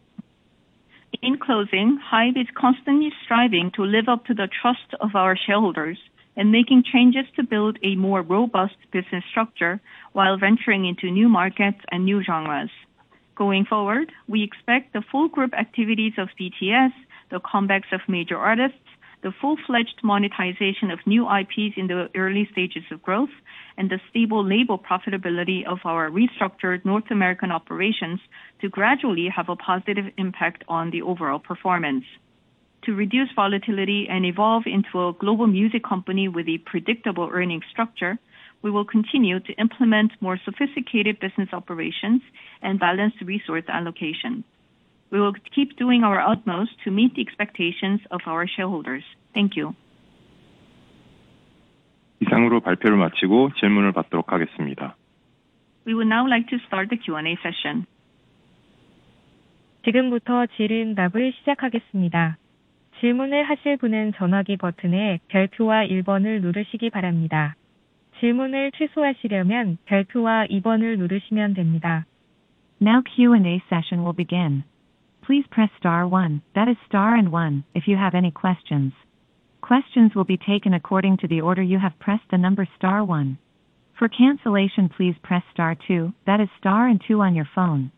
In closing, HYBE is constantly striving to live up to the trust of our shareholders and making changes to build a more robust business structure while venturing into new markets and new genres. Going forward, we expect the full group activities of BTS, the comebacks of major artists, the full-fledged monetization of new IPs in the early stages of growth, and the stable label profitability of our restructured North American operations to gradually have a positive impact on the overall performance. To reduce volatility and evolve into a global music company with a predictable earnings structure, we will continue to implement more sophisticated business operations and balanced resource allocation. We will keep doing our utmost to meet the expectations of our shareholders. Thank you. 이상으로 발표를 마치고 질문을 받도록 하겠습니다. We would now like to start the Q&A session. 지금부터 질의응답을 시작하겠습니다. 질문을 하실 분은 전화기 버튼의 별표와 1번을 누르시기 바랍니다. 질문을 취소하시려면 별표와 2번을 누르시면 됩니다. Now Q&A session will begin. Please press star one, that is star and one, if you have any questions. Questions will be taken according to the order you have pressed the number star one. For cancellation, please press star two, that is star and two on your phone.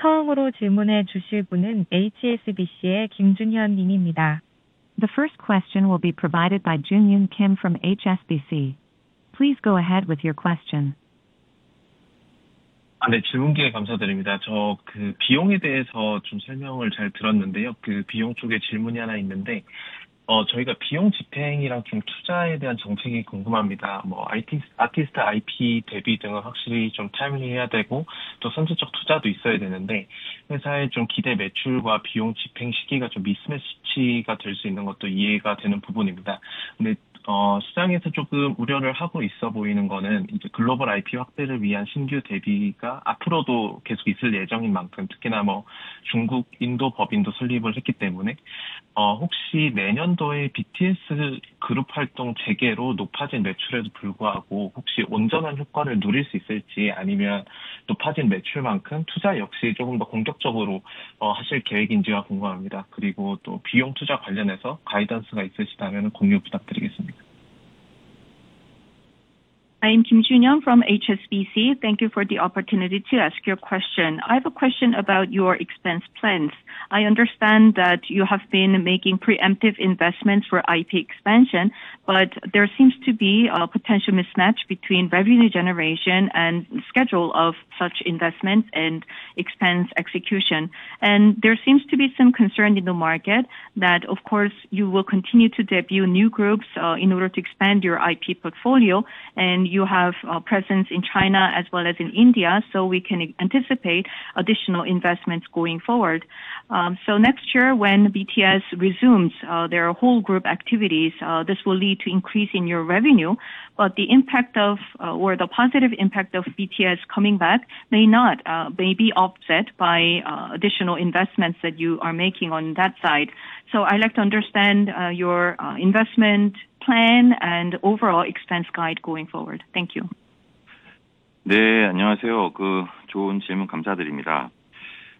처음으로 질문해 주실 분은 HSBC의 김준현 님입니다. The first question will be provided by Junyoon Kim from HSBC. Please go ahead with your question. 네, 질문 기회 감사드립니다. 저 비용에 대해서 설명을 잘 들었는데요. 그 비용 쪽에 질문이 하나 있는데, 저희가 비용 집행이랑 투자에 대한 정책이 궁금합니다. 아티스트 IP 대비 등은 확실히 차별화해야 되고, 또 선제적 투자도 있어야 되는데, 회사의 기대 매출과 비용 집행 시기가 미스매치가 될수 있는 것도 이해가 되는 부분입니다. 근데 시장에서 조금 우려를 하고 있어 보이는 거는 이제 글로벌 IP 확대를 위한 신규 대비가 앞으로도 계속 있을 예정인 만큼, 특히나 중국 인도 법인도 설립을 했기 때문에, 혹시 내년도에 BTS 그룹 활동 재개로 높아진 매출에도 불구하고 혹시 온전한 효과를 누릴 수 있을지, 아니면 높아진 매출만큼 투자 역시 조금 더 공격적으로 하실 계획인지가 궁금합니다. 그리고 또 비용 투자 관련해서 가이던스가 있으시다면 공유 부탁드리겠습니다. I am Kim Junyeon from HSBC. Thank you for the opportunity to ask your question. I have a question about your expense plans. I understand that you have been making preemptive investments for IP expansion, but there seems to be a potential mismatch between revenue generation and schedule of such investments and expense execution. There seems to be some concern in the market that, of course, you will continue to debut new groups in order to expand your IP portfolio, and you have a presence in China as well as in India, so we can anticipate additional investments going forward. So next year, when BTS resumes their whole group activities, this will lead to an increase in your revenue, but the impact of, or the positive impact of BTS coming back may not, may be offset by additional investments that you are making on that side. So I'd like to understand your investment plan and overall expense guide going forward. Thank you. 네, 안녕하세요. 그 좋은 질문 감사드립니다.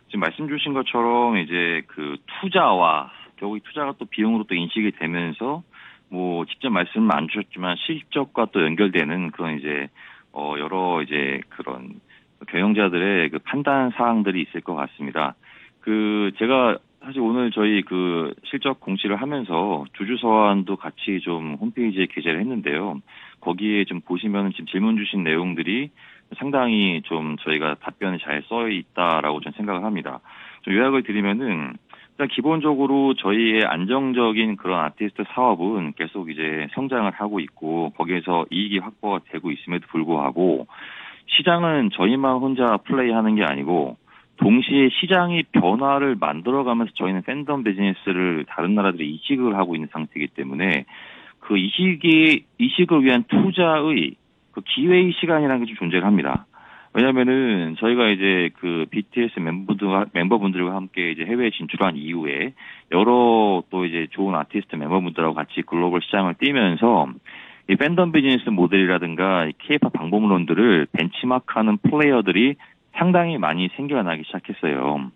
지금 말씀 주신 것처럼 이제 그 투자와 결국 이 투자가 또 비용으로 또 인식이 되면서, 뭐 직접 말씀은 안 주셨지만 실적과 또 연결되는 그런 이제 여러 이제 그런 경영자들의 그 판단 사항들이 있을 것 같습니다. 그 제가 사실 오늘 저희 그 실적 공시를 하면서 주주서한도 같이 좀 홈페이지에 게재를 했는데요. 거기에 좀 보시면 지금 질문 주신 내용들이 상당히 좀 저희가 답변이 잘써 있다라고 좀 생각을 합니다. 좀 요약을 드리면은 일단 기본적으로 저희의 안정적인 그런 아티스트 사업은 계속 이제 성장을 하고 있고, 거기에서 이익이 확보가 되고 있음에도 불구하고 시장은 저희만 혼자 플레이하는 게 아니고, 동시에 시장이 변화를 만들어가면서 저희는 팬덤 비즈니스를 다른 나라들이 이식을 하고 있는 상태이기 때문에 그 이식이 이식을 위한 투자의 그 기회의 시간이라는 게좀 존재를 합니다. 왜냐하면은 저희가 이제 그 BTS 멤버분들과 함께 이제 해외에 진출한 이후에 여러 또 이제 좋은 아티스트 멤버분들하고 같이 글로벌 시장을 뛰면서 이 팬덤 비즈니스 모델이라든가 K-POP 방법론들을 벤치마크하는 플레이어들이 상당히 많이 생겨나기 시작했어요.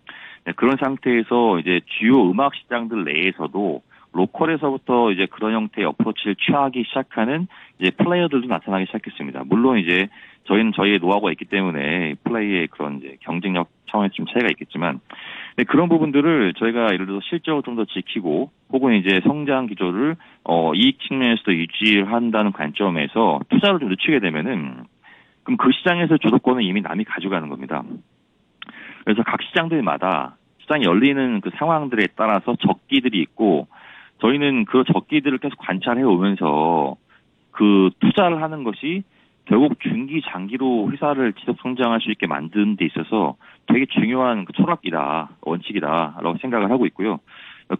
그런 상태에서 이제 주요 음악 시장들 내에서도 로컬에서부터 이제 그런 형태의 어프로치를 취하기 시작하는 이제 플레이어들도 나타나기 시작했습니다. 물론 이제 저희는 저희의 노하우가 있기 때문에 플레이의 그런 이제 경쟁력 차원에서 좀 차이가 있겠지만, 근데 그런 부분들을 저희가 예를 들어서 실적을 좀더 지키고 혹은 이제 성장 기조를 이익 측면에서도 유지를 한다는 관점에서 투자를 좀 늦추게 되면은 그럼 그 시장에서 주도권을 이미 남이 가져가는 겁니다. 그래서 각 시장들마다 시장이 열리는 그 상황들에 따라서 적기들이 있고, 저희는 그 적기들을 계속 관찰해 오면서 그 투자를 하는 것이 결국 중기 장기로 회사를 지속 성장할 수 있게 만드는 데 있어서 되게 중요한 그 철학이다, 원칙이다라고 생각을 하고 있고요.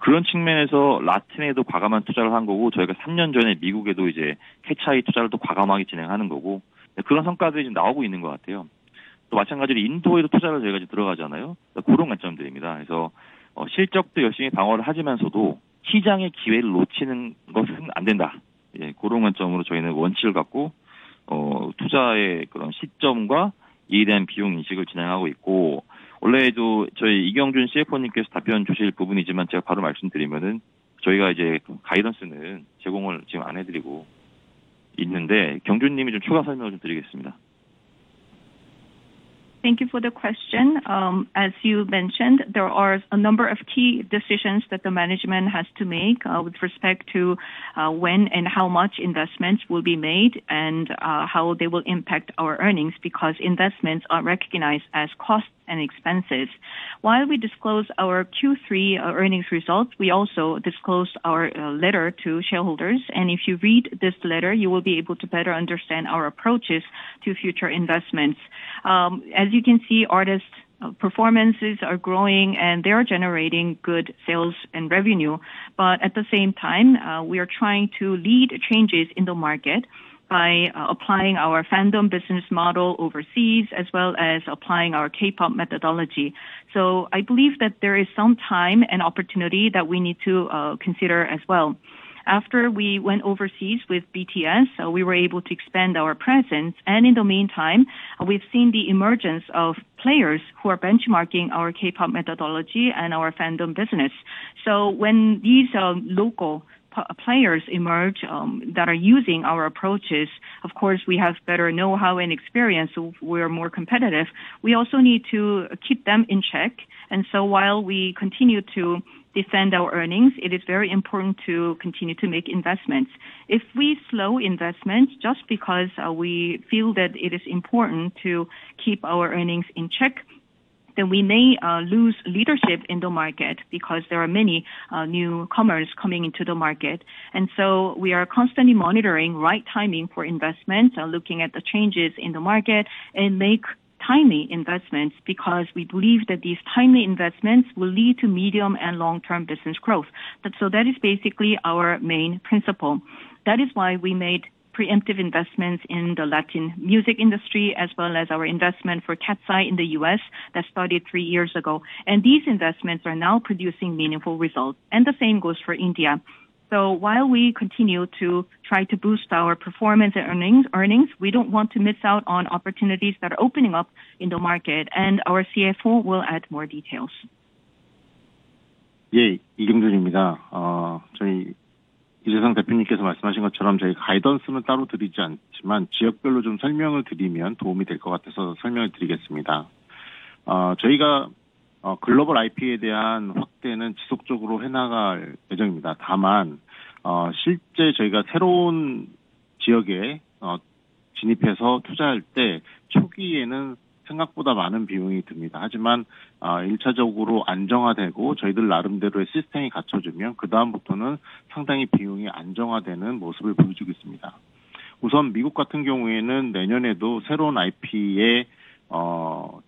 그런 측면에서 라틴에도 과감한 투자를 한 거고, 저희가 3년 전에 미국에도 이제 해차이 투자를 또 과감하게 진행하는 거고, 그런 성과들이 지금 나오고 있는 것 같아요. 또 마찬가지로 인도에도 투자를 저희가 지금 들어가잖아요. 그런 관점들입니다. 그래서 실적도 열심히 방어를 하지만서도 시장의 기회를 놓치는 것은 안 된다. 예, 그런 관점으로 저희는 원칙을 갖고 투자의 그런 시점과 이에 대한 비용 인식을 진행하고 있고, 원래도 저희 이경준 CFO님께서 답변 주실 부분이지만 제가 바로 말씀드리면은 저희가 이제 가이던스는 제공을 지금 안 해드리고 있는데, 경준님이 좀 추가 설명을 좀 드리겠습니다. Thank you for the question. As you mentioned, there are a number of key decisions that the management has to make with respect to when and how much investments will be made and how they will impact our earnings because investments are recognized as costs and expenses. While we disclose our Q3 earnings results, we also disclose our letter to shareholders, and if you read this letter, you will be able to better understand our approaches to future investments. As you can see, artists' performances are growing and they are generating good sales and revenue, but at the same time, we are trying to lead changes in the market by applying our fandom business model overseas as well as applying our K-POP methodology. I believe that there is some time and opportunity that we need to consider as well. After we went overseas with BTS, we were able to expand our presence, and in the meantime, we've seen the emergence of players who are benchmarking our K-POP methodology and our fandom business. When these local players emerge that are using our approaches, of course we have better know-how and experience, so we are more competitive. We also need to keep them in check, and while we continue to defend our earnings, it is very important to continue to make investments. If we slow investments just because we feel that it is important to keep our earnings in check, then we may lose leadership in the market because there are many newcomers coming into the market. We are constantly monitoring right timing for investments and looking at the changes in the market and make timely investments because we believe that these timely investments will lead to medium and long-term business growth. That is basically our main principle. That is why we made preemptive investments in the Latin music industry as well as our investment for Cat's Eye in the US that started three years ago, and these investments are now producing meaningful results, and the same goes for India. While we continue to try to boost our performance and earnings, we don't want to miss out on opportunities that are opening up in the market, and our CFO will add more details. 예, 이경준입니다. 저희 이재상 대표님께서 말씀하신 것처럼 저희 가이던스는 따로 드리지 않지만 지역별로 좀 설명을 드리면 도움이 될것 같아서 설명을 드리겠습니다. 저희가 글로벌 IP에 대한 확대는 지속적으로 해나갈 예정입니다. 다만 실제 저희가 새로운 지역에 진입해서 투자할 때 초기에는 생각보다 많은 비용이 듭니다. 하지만 일차적으로 안정화되고 저희들 나름대로의 시스템이 갖춰지면 그다음부터는 상당히 비용이 안정화되는 모습을 보여주고 있습니다. 우선 미국 같은 경우에는 내년에도 새로운 IP에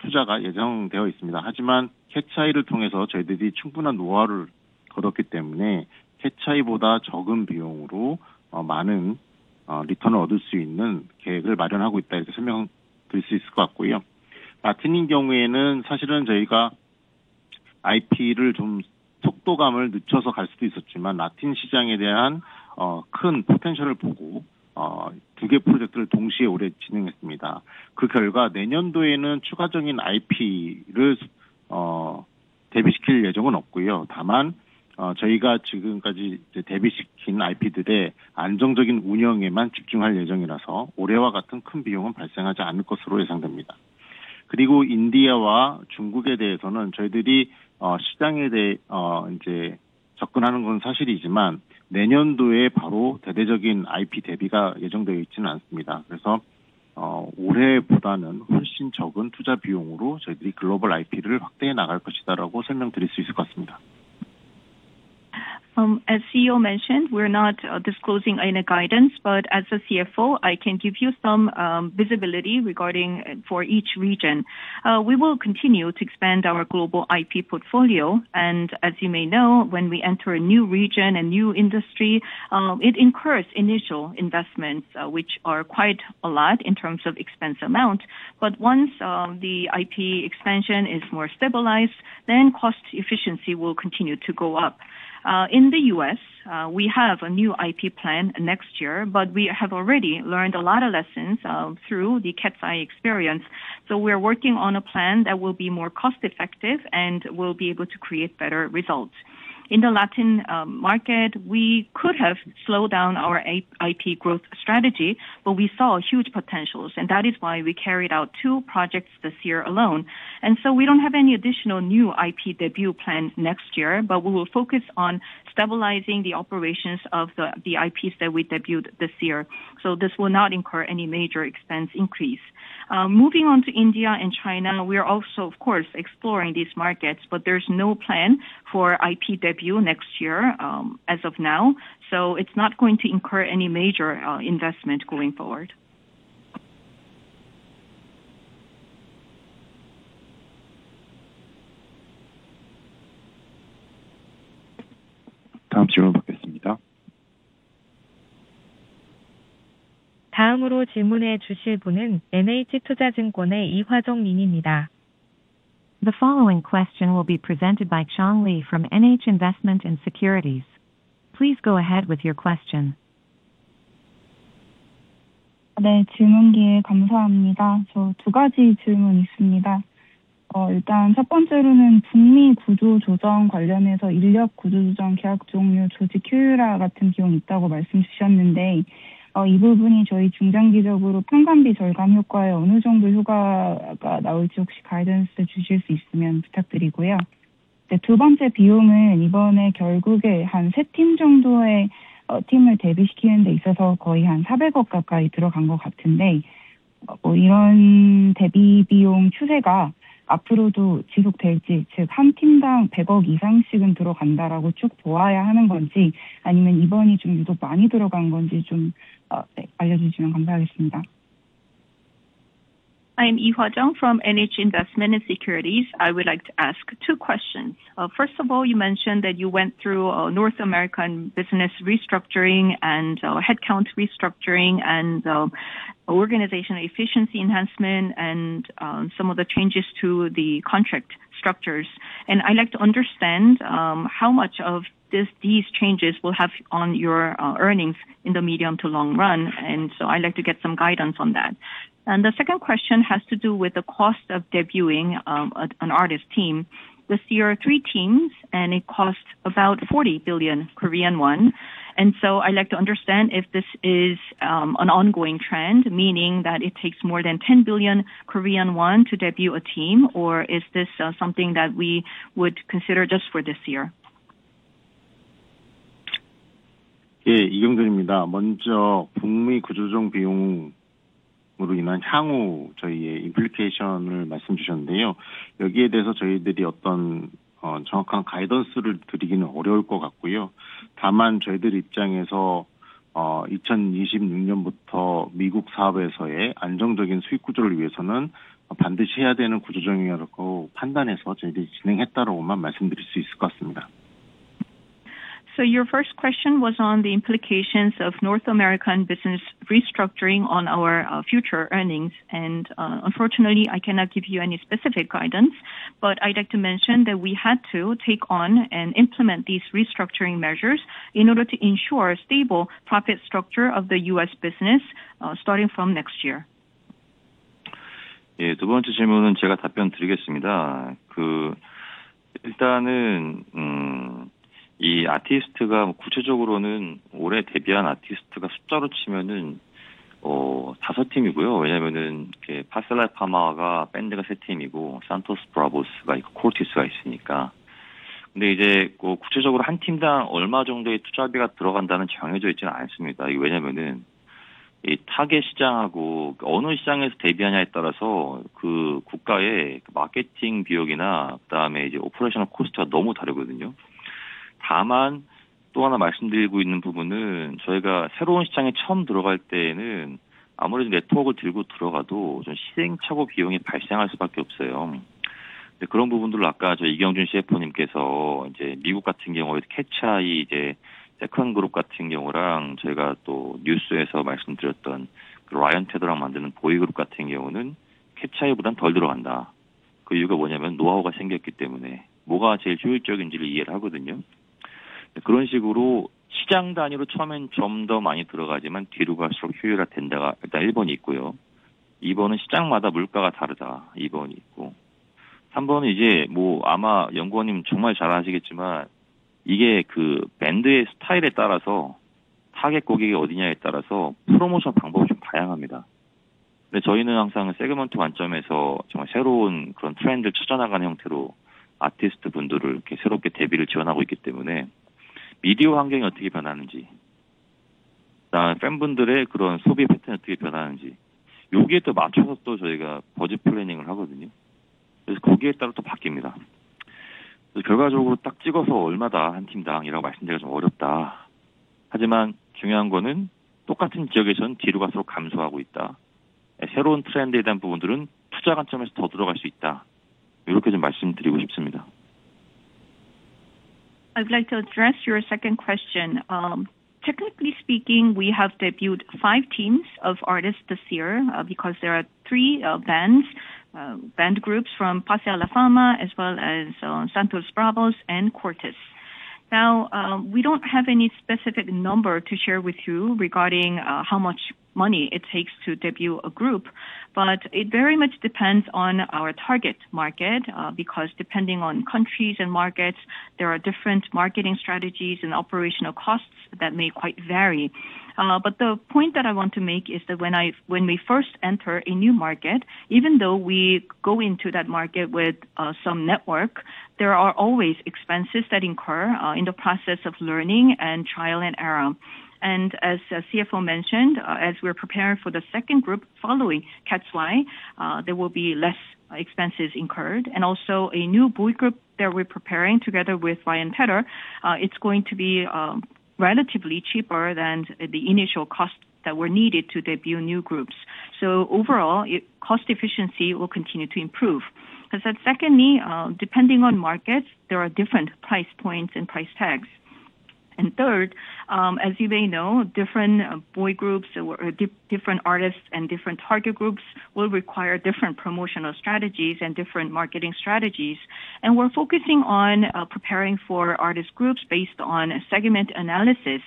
투자가 예정되어 있습니다. 하지만 해차이를 통해서 저희들이 충분한 노하우를 얻었기 때문에 해차이보다 적은 비용으로 많은 리턴을 얻을 수 있는 계획을 마련하고 있다 이렇게 설명드릴 수 있을 것 같고요. 라틴인 경우에는 사실은 저희가 IP를 좀 속도감을 늦춰서 갈 수도 있었지만 라틴 시장에 대한 큰 포텐셜을 보고 두개 프로젝트를 동시에 올해 진행했습니다. 그 결과 내년도에는 추가적인 IP를 대비시킬 예정은 없고요. 다만 저희가 지금까지 대비시킨 IP들의 안정적인 운영에만 집중할 예정이라서 올해와 같은 큰 비용은 발생하지 않을 것으로 예상됩니다. 그리고 인디아와 중국에 대해서는 저희들이 시장에 대해 이제 접근하는 건 사실이지만 내년도에 바로 대대적인 IP 대비가 예정되어 있지는 않습니다. 그래서 올해보다는 훨씬 적은 투자 비용으로 저희들이 글로벌 IP를 확대해 나갈 것이다라고 설명드릴 수 있을 것 같습니다. As CEO mentioned, we're not disclosing any guidance, but as a CFO, I can give you some visibility regarding each region. We will continue to expand our global IP portfolio, and as you may know, when we enter a new region, a new industry, it incurs initial investments which are quite a lot in terms of expense amount. But once the IP expansion is more stabilized, then cost efficiency will continue to go up. In the US, we have a new IP plan next year, but we have already learned a lot of lessons through the Cat's Eye experience. We're working on a plan that will be more cost effective and will be able to create better results. In the Latin market, we could have slowed down our IP growth strategy, but we saw huge potentials, and that is why we carried out two projects this year alone. We don't have any additional new IP debut plans next year, but we will focus on stabilizing the operations of the IPs that we debuted this year. This will not incur any major expense increase. Moving on to India and China, we are also, of course, exploring these markets, but there's no plan for IP debut next year as of now, so it's not going to incur any major investment going forward. 다음 질문 보겠습니다. 다음으로 질문해 주실 분은 NH투자증권의 이화정 님입니다. The following question will be presented by Hwajung Lee from NH Investment & Securities. Please go ahead with your question. 네, 질문 기회 감사합니다. 저두 가지 질문 있습니다. 일단 첫 번째로는 북미 구조 조정 관련해서 인력 구조 조정, 계약 종료, 조직 효율화 같은 비용이 있다고 말씀 주셨는데, 이 부분이 저희 중장기적으로 판관비 절감 효과에 어느 정도 효과가 나올지 혹시 가이던스 주실 수 있으면 부탁드리고요. 두 번째는 이번에 결국에 한세팀 정도의 팀을 대비시키는 데 있어서 거의 ₩400억 가까이 들어간 것 같은데, 이런 대비 비용 추세가 앞으로도 지속될지, 즉한 팀당 ₩100억 이상씩은 들어간다라고 쭉 보아야 하는 건지, 아니면 이번이 좀 유독 많이 들어간 건지 좀 알려주시면 감사하겠습니다. I'm Lee Hwa-jeong from NH Investment and Securities. I would like to ask two questions. First of all, you mentioned that you went through North American business restructuring and headcount restructuring and organizational efficiency enhancement and some of the changes to the contract structures. I'd like to understand how much of these changes will have on your earnings in the medium to long run, and so I'd like to get some guidance on that. The second question has to do with the cost of debuting an artist team. This year are three teams, and it costs about ₩40 billion. So I'd like to understand if this is an ongoing trend, meaning that it takes more than ₩10 billion to debut a team, or is this something that we would consider just for this year? 예, 이경준입니다. 먼저 북미 구조조정 비용으로 인한 향후 저희의 임플리케이션을 말씀 주셨는데요. 여기에 대해서 저희들이 어떤 정확한 가이던스를 드리기는 어려울 것 같고요. 다만 저희들 입장에서 2026년부터 미국 사업에서의 안정적인 수익 구조를 위해서는 반드시 해야 되는 구조조정이라고 판단해서 저희들이 진행했다라고만 말씀드릴 수 있을 것 같습니다. Your first question was on the implications of North American business restructuring on our future earnings, and unfortunately I cannot give you any specific guidance, but I'd like to mention that we had to take on and implement these restructuring measures in order to ensure a stable profit structure of the US business starting from next year. 예, 두 번째 질문은 제가 답변드리겠습니다. 일단은 이 아티스트가 구체적으로는 올해 데뷔한 아티스트가 숫자로 치면은 다섯 팀이고요. 왜냐하면은 파스라 파마가 밴드가 세 팀이고 산토스 브라보스가 코르티스가 있으니까요. 근데 이제 구체적으로 한 팀당 얼마 정도의 투자비가 들어간다는 정해져 있지는 않습니다. 왜냐하면은 이 타겟 시장하고 어느 시장에서 데뷔하냐에 따라서 그 국가의 마케팅 비용이나 그다음에 이제 오퍼레이션 코스트가 너무 다르거든요. 다만 또 하나 말씀드리고 있는 부분은 저희가 새로운 시장에 처음 들어갈 때에는 아무리 네트워크를 들고 들어가도 좀 시행착오 비용이 발생할 수밖에 없어요. 그런 부분들로 아까 저희 이경준 CFO님께서 이제 미국 같은 경우에 캐치아이 이제 세컨 그룹 같은 경우랑 저희가 또 뉴스에서 말씀드렸던 라이언 테더랑 만드는 보이 그룹 같은 경우는 캐치아이보다는 덜 들어간다. 그 이유가 뭐냐면 노하우가 생겼기 때문에 뭐가 제일 효율적인지를 이해를 하거든요. 그런 식으로 시장 단위로 처음엔 좀더 많이 들어가지만 뒤로 갈수록 효율화된다가 일단 1번이 있고요. 2번은 시장마다 물가가 다르다, 2번이 있고. 3번은 이제 뭐 아마 연구원님 정말 잘 아시겠지만 이게 그 밴드의 스타일에 따라서 타겟 고객이 어디냐에 따라서 프로모션 방법이 좀 다양합니다. 근데 저희는 항상 세그먼트 관점에서 정말 새로운 그런 트렌드를 찾아나가는 형태로 아티스트분들을 이렇게 새롭게 데뷔를 지원하고 있기 때문에 미디어 환경이 어떻게 변하는지, 그다음에 팬분들의 그런 소비 패턴이 어떻게 변하는지 여기에 또 맞춰서 또 저희가 버즈 플래닝을 하거든요. 그래서 거기에 따라 또 바뀝니다. 결과적으로 딱 찍어서 얼마다 한 팀당이라고 말씀드리기가 좀 어렵다. 하지만 중요한 거는 똑같은 지역에서는 뒤로 갈수록 감소하고 있다. 새로운 트렌드에 대한 부분들은 투자 관점에서 더 들어갈 수 있다. 이렇게 좀 말씀드리고 싶습니다. I'd like to address your second question. Technically speaking, we have debuted five teams of artists this year because there are three bands, band groups from Pas de la Fama, as well as Santos Bravos and Cortes. Now, we don't have any specific number to share with you regarding how much money it takes to debut a group, but it very much depends on our target market because depending on countries and markets, there are different marketing strategies and operational costs that may quite vary. But the point that I want to make is that when we first enter a new market, even though we go into that market with some network, there are always expenses that incur in the process of learning and trial and error. As CFO mentioned, as we're preparing for the second group following Cat's Eye, there will be less expenses incurred. Also a new boy group that we're preparing together with Ryan Tedder, it's going to be relatively cheaper than the initial cost that were needed to debut new groups. So overall, cost efficiency will continue to improve. Secondly, depending on markets, there are different price points and price tags. Third, as you may know, different boy groups or different artists and different target groups will require different promotional strategies and different marketing strategies. We're focusing on preparing for artist groups based on segment analysis.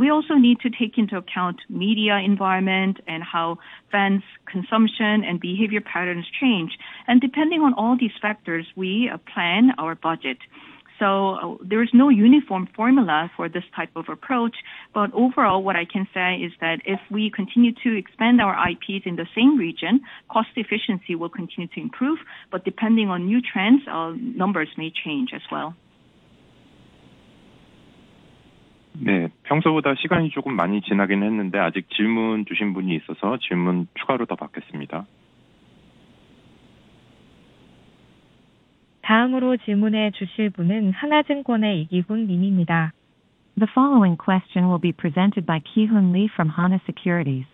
We also need to take into account media environment and how fans' consumption and behavior patterns change. Depending on all these factors, we plan our budget. So there is no uniform formula for this type of approach, but overall what I can say is that if we continue to expand our IPs in the same region, cost efficiency will continue to improve, but depending on new trends, numbers may change as well. 네, 평소보다 시간이 조금 많이 지나긴 했는데 아직 질문 주신 분이 있어서 질문 추가로 더 받겠습니다. 다음으로 질문해 주실 분은 하나증권의 이기훈 님입니다. The following question will be presented by Ki-hoon Lee from Hana Securities.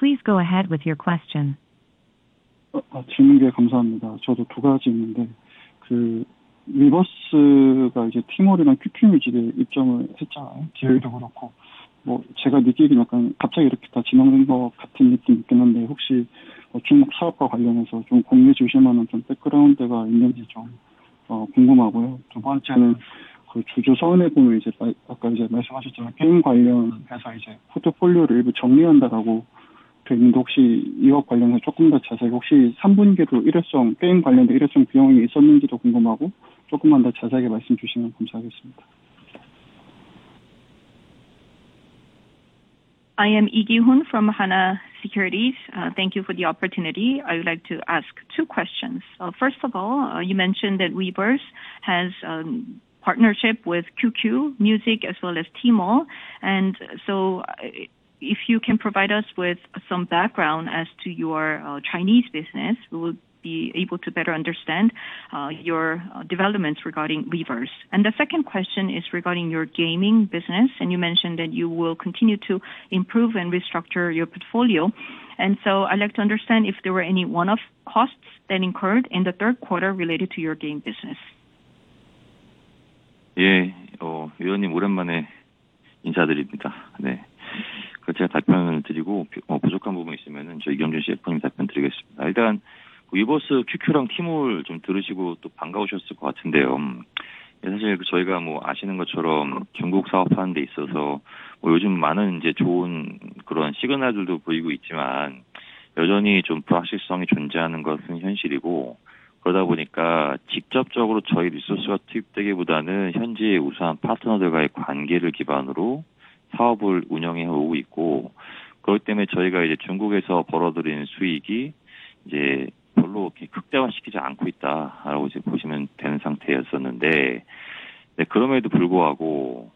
Please go ahead with your question. 질문 기회 감사합니다. 저도 두 가지 있는데, 그 위버스가 이제 티몰이랑 QQ뮤직에 입점을 했잖아요. 제휴도 그렇고, 뭐 제가 느끼기는 약간 갑자기 이렇게 다 진행된 것 같은 느낌이 있긴 한데, 혹시 중국 사업과 관련해서 좀 공유해 주실 만한 좀 백그라운드가 있는지 좀 궁금하고요. 두 번째는 그 주조선해부는 이제 아까 이제 말씀하셨지만 게임 관련해서 이제 포트폴리오를 일부 정리한다라고 돼 있는데, 혹시 이것 관련해서 조금 더 자세하게, 혹시 3분기에도 일회성 게임 관련된 일회성 비용이 있었는지도 궁금하고, 조금만 더 자세하게 말씀 주시면 감사하겠습니다. I am Lee Gi-hoon from Hana Securities. Thank you for the opportunity. I would like to ask two questions. First of all, you mentioned that Weverse has a partnership with QQ Music as well as T-Mobile, and so if you can provide us with some background as to your Chinese business, we will be able to better understand your developments regarding Weverse. And the second question is regarding your gaming business, and you mentioned that you will continue to improve and restructure your portfolio. And so I'd like to understand if there were any one-off costs that incurred in the third quarter related to your game business. 예, 의원님 오랜만에 인사드립니다. 네, 그렇게 답변을 드리고 부족한 부분이 있으면 저희 이경준 CFO님께서 답변 드리겠습니다. 일단 위버스, QQ랑 티몰 좀 들으시고 또 반가우셨을 것 같은데요. 사실 저희가 아시는 것처럼 중국 사업하는 데 있어서 요즘 많은 좋은 시그널들도 보이고 있지만, 여전히 불확실성이 존재하는 것은 현실이고, 그러다 보니까 직접적으로 저희 리소스가 투입되기보다는 현지의 우수한 파트너들과의 관계를 기반으로 사업을 운영해 오고 있고, 그렇기 때문에 저희가 중국에서 벌어들인 수익을 극대화시키지 않고 있다고 보시면 되는 상태였었는데, 그럼에도 불구하고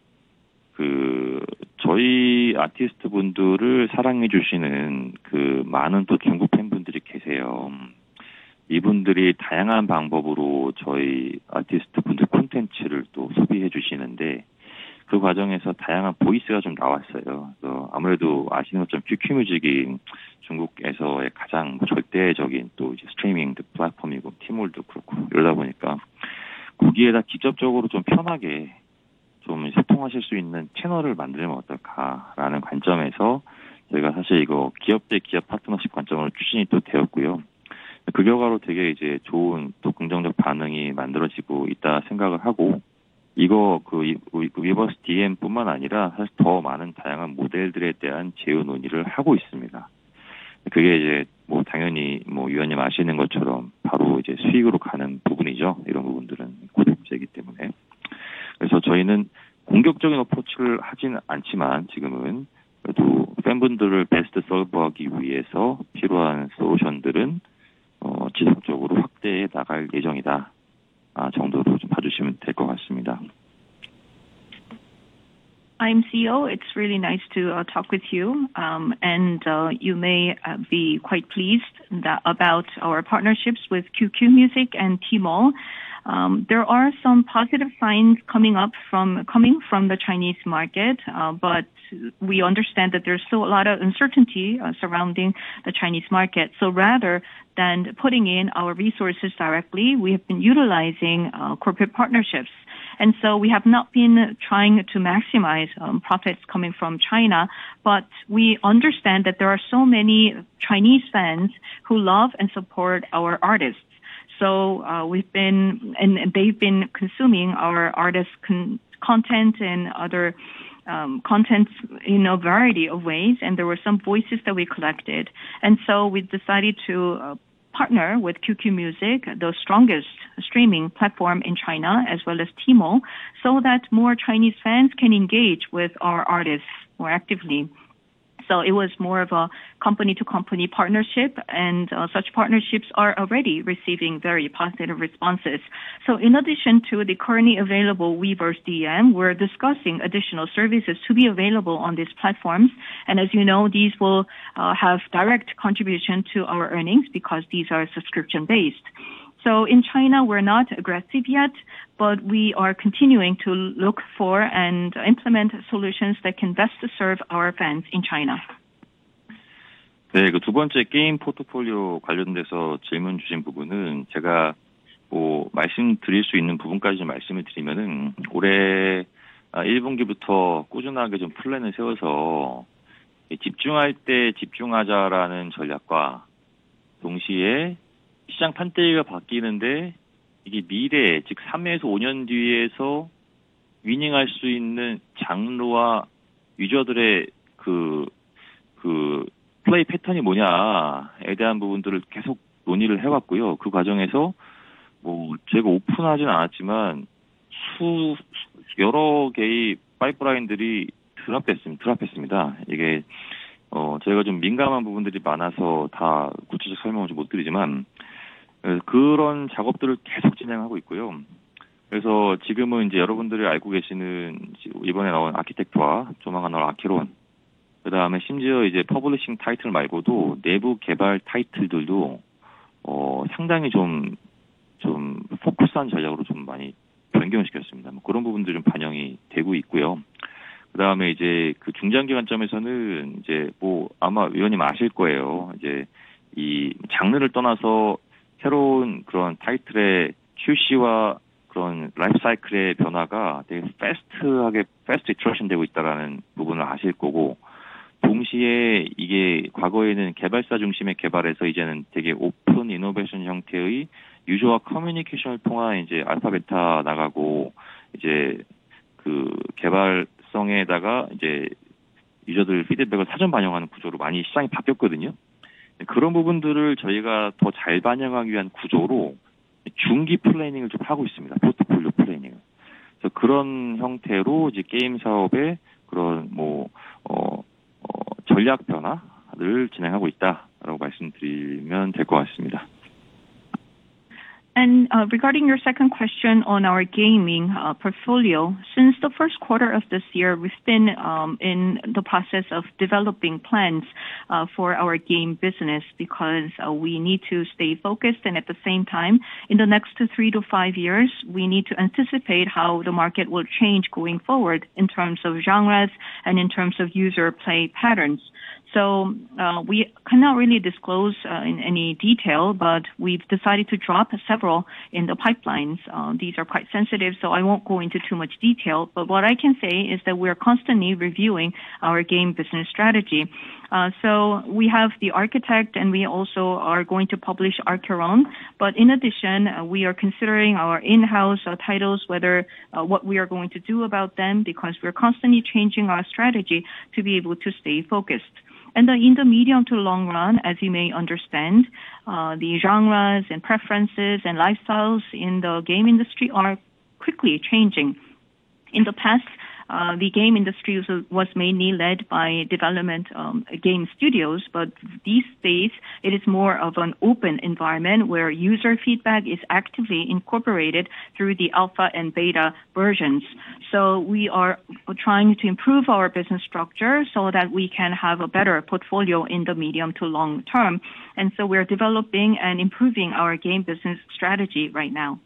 저희 아티스트분들을 사랑해 주시는 많은 중국 팬분들이 계세요. 이분들이 다양한 방법으로 저희 아티스트분들 콘텐츠를 소비해 주시는데, 그 과정에서 다양한 보이스가 나왔어요. 그래서 아시는 것처럼 QQ뮤직이 중국에서의 가장 절대적인 스트리밍 플랫폼이고, 티몰도 그렇고 이러다 보니까 거기에다 직접적으로 편하게 소통하실 수 있는 채널을 만들면 어떨까라는 관점에서 저희가 사실 이거 기업 대 기업 파트너십 관점으로 추진이 되었고요. 그 결과로 정말 좋은 긍정적 반응이 만들어지고 있다고 생각을 하고, 이거 위버스 DM뿐만 아니라 사실 더 많은 다양한 모델들에 대한 제휴 논의를 하고 있습니다. 그게 당연히 의원님 아시는 것처럼 바로 수익으로 가는 부분이죠. 이런 부분들은 고정제이기 때문에. 그래서 저희는 공격적인 어프로치를 하진 않지만, 지금은 그래도 팬분들을 베스트 서브하기 위해서 필요한 솔루션들은 지속적으로 확대해 나갈 예정이다 정도로 봐주시면 될것 같습니다. I'm CEO. It's really nice to talk with you, and you may be quite pleased about our partnerships with QQ Music and T-Mobile. There are some positive signs coming up from the Chinese market, but we understand that there's still a lot of uncertainty surrounding the Chinese market. Rather than putting in our resources directly, we have been utilizing corporate partnerships. We have not been trying to maximize profits coming from China, but we understand that there are so many Chinese fans who love and support our artists. They've been consuming our artists' content and other contents in a variety of ways, and there were some voices that we collected. We decided to partner with QQ Music, the strongest streaming platform in China, as well as T-Mobile, so that more Chinese fans can engage with our artists more actively. It was more of a company-to-company partnership, and such partnerships are already receiving very positive responses. In addition to the currently available Weverse DM, we're discussing additional services to be available on these platforms. As you know, these will have direct contribution to our earnings because these are subscription-based. In China, we're not aggressive yet, but we are continuing to look for and implement solutions that can best serve our fans in China. 네, 그두 번째 게임 포트폴리오 관련해서 질문 주신 부분은 제가 말씀드릴 수 있는 부분까지 말씀을 드리면 올해 1분기부터 꾸준하게 플랜을 세워서 집중할 때 집중하자라는 전략과 동시에 시장 판도가 바뀌는데 이게 미래, 즉 3년에서 5년 뒤에 위닝할 수 있는 장르와 유저들의 그 플레이 패턴이 무엇인가에 대한 부분들을 계속 논의를 해왔고요. 그 과정에서 제가 오픈하지는 않았지만 여러 개의 파이프라인들이 드롭됐습니다. 이게 저희가 민감한 부분들이 많아서 다 구체적 설명을 못 드리지만 그런 작업들을 계속 진행하고 있고요. 그래서 지금은 여러분들이 알고 계시는 이번에 나온 아키텍트와 조만간 나올 아케론, 그다음에 심지어 퍼블리싱 타이틀 말고도 내부 개발 타이틀들도 상당히 포커스한 전략으로 많이 변경을 시켰습니다. 그런 부분들이 반영이 되고 있고요. 그다음에 중장기 관점에서는 아마 아실 거예요. 이 장르를 떠나서 새로운 그런 타이틀의 출시와 그런 라이프 사이클의 변화가 되게 패스트하게 패스트 트랙션 되고 있다라는 부분을 아실 거고, 동시에 이게 과거에는 개발사 중심의 개발에서 이제는 되게 오픈 이노베이션 형태의 유저와 커뮤니케이션을 통한 알파 베타 나가고 그 개발성에다가 유저들 피드백을 사전 반영하는 구조로 많이 시장이 바뀌었거든요. 그런 부분들을 저희가 더잘 반영하기 위한 구조로 중기 플래닝을 하고 있습니다. 포트폴리오 플래닝을. 그래서 그런 형태로 게임 사업의 그런 전략 변화를 진행하고 있다라고 말씀드리면 될것 같습니다. Regarding your second question on our gaming portfolio, since the first quarter of this year, we've been in the process of developing plans for our game business because we need to stay focused, and at the same time, in the next three to five years, we need to anticipate how the market will change going forward in terms of genres and in terms of user play patterns. We cannot really disclose in any detail, but we've decided to drop several in the pipelines. These are quite sensitive, so I won't go into too much detail, but what I can say is that we are constantly reviewing our game business strategy. We have the architect, and we also are going to publish Achearon, but in addition, we are considering our in-house titles, whether what we are going to do about them because we're constantly changing our strategy to be able to stay focused. In the medium to long run, as you may understand, the genres and preferences and lifestyles in the game industry are quickly changing. In the past, the game industry was mainly led by development game studios, but these days, it is more of an open environment where user feedback is actively incorporated through the alpha and beta versions. We are trying to improve our business structure so that we can have a better portfolio in the medium to long term. We're developing and improving our game business strategy right now.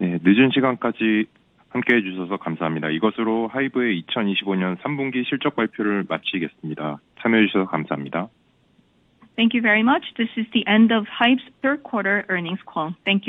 네, 늦은 시간까지 함께해 주셔서 감사합니다. 이것으로 하이브의 2025년 3분기 실적 발표를 마치겠습니다. 참여해 주셔서 감사합니다. Thank you very much. This is the end of HYBE's third quarter earnings call. Thank you.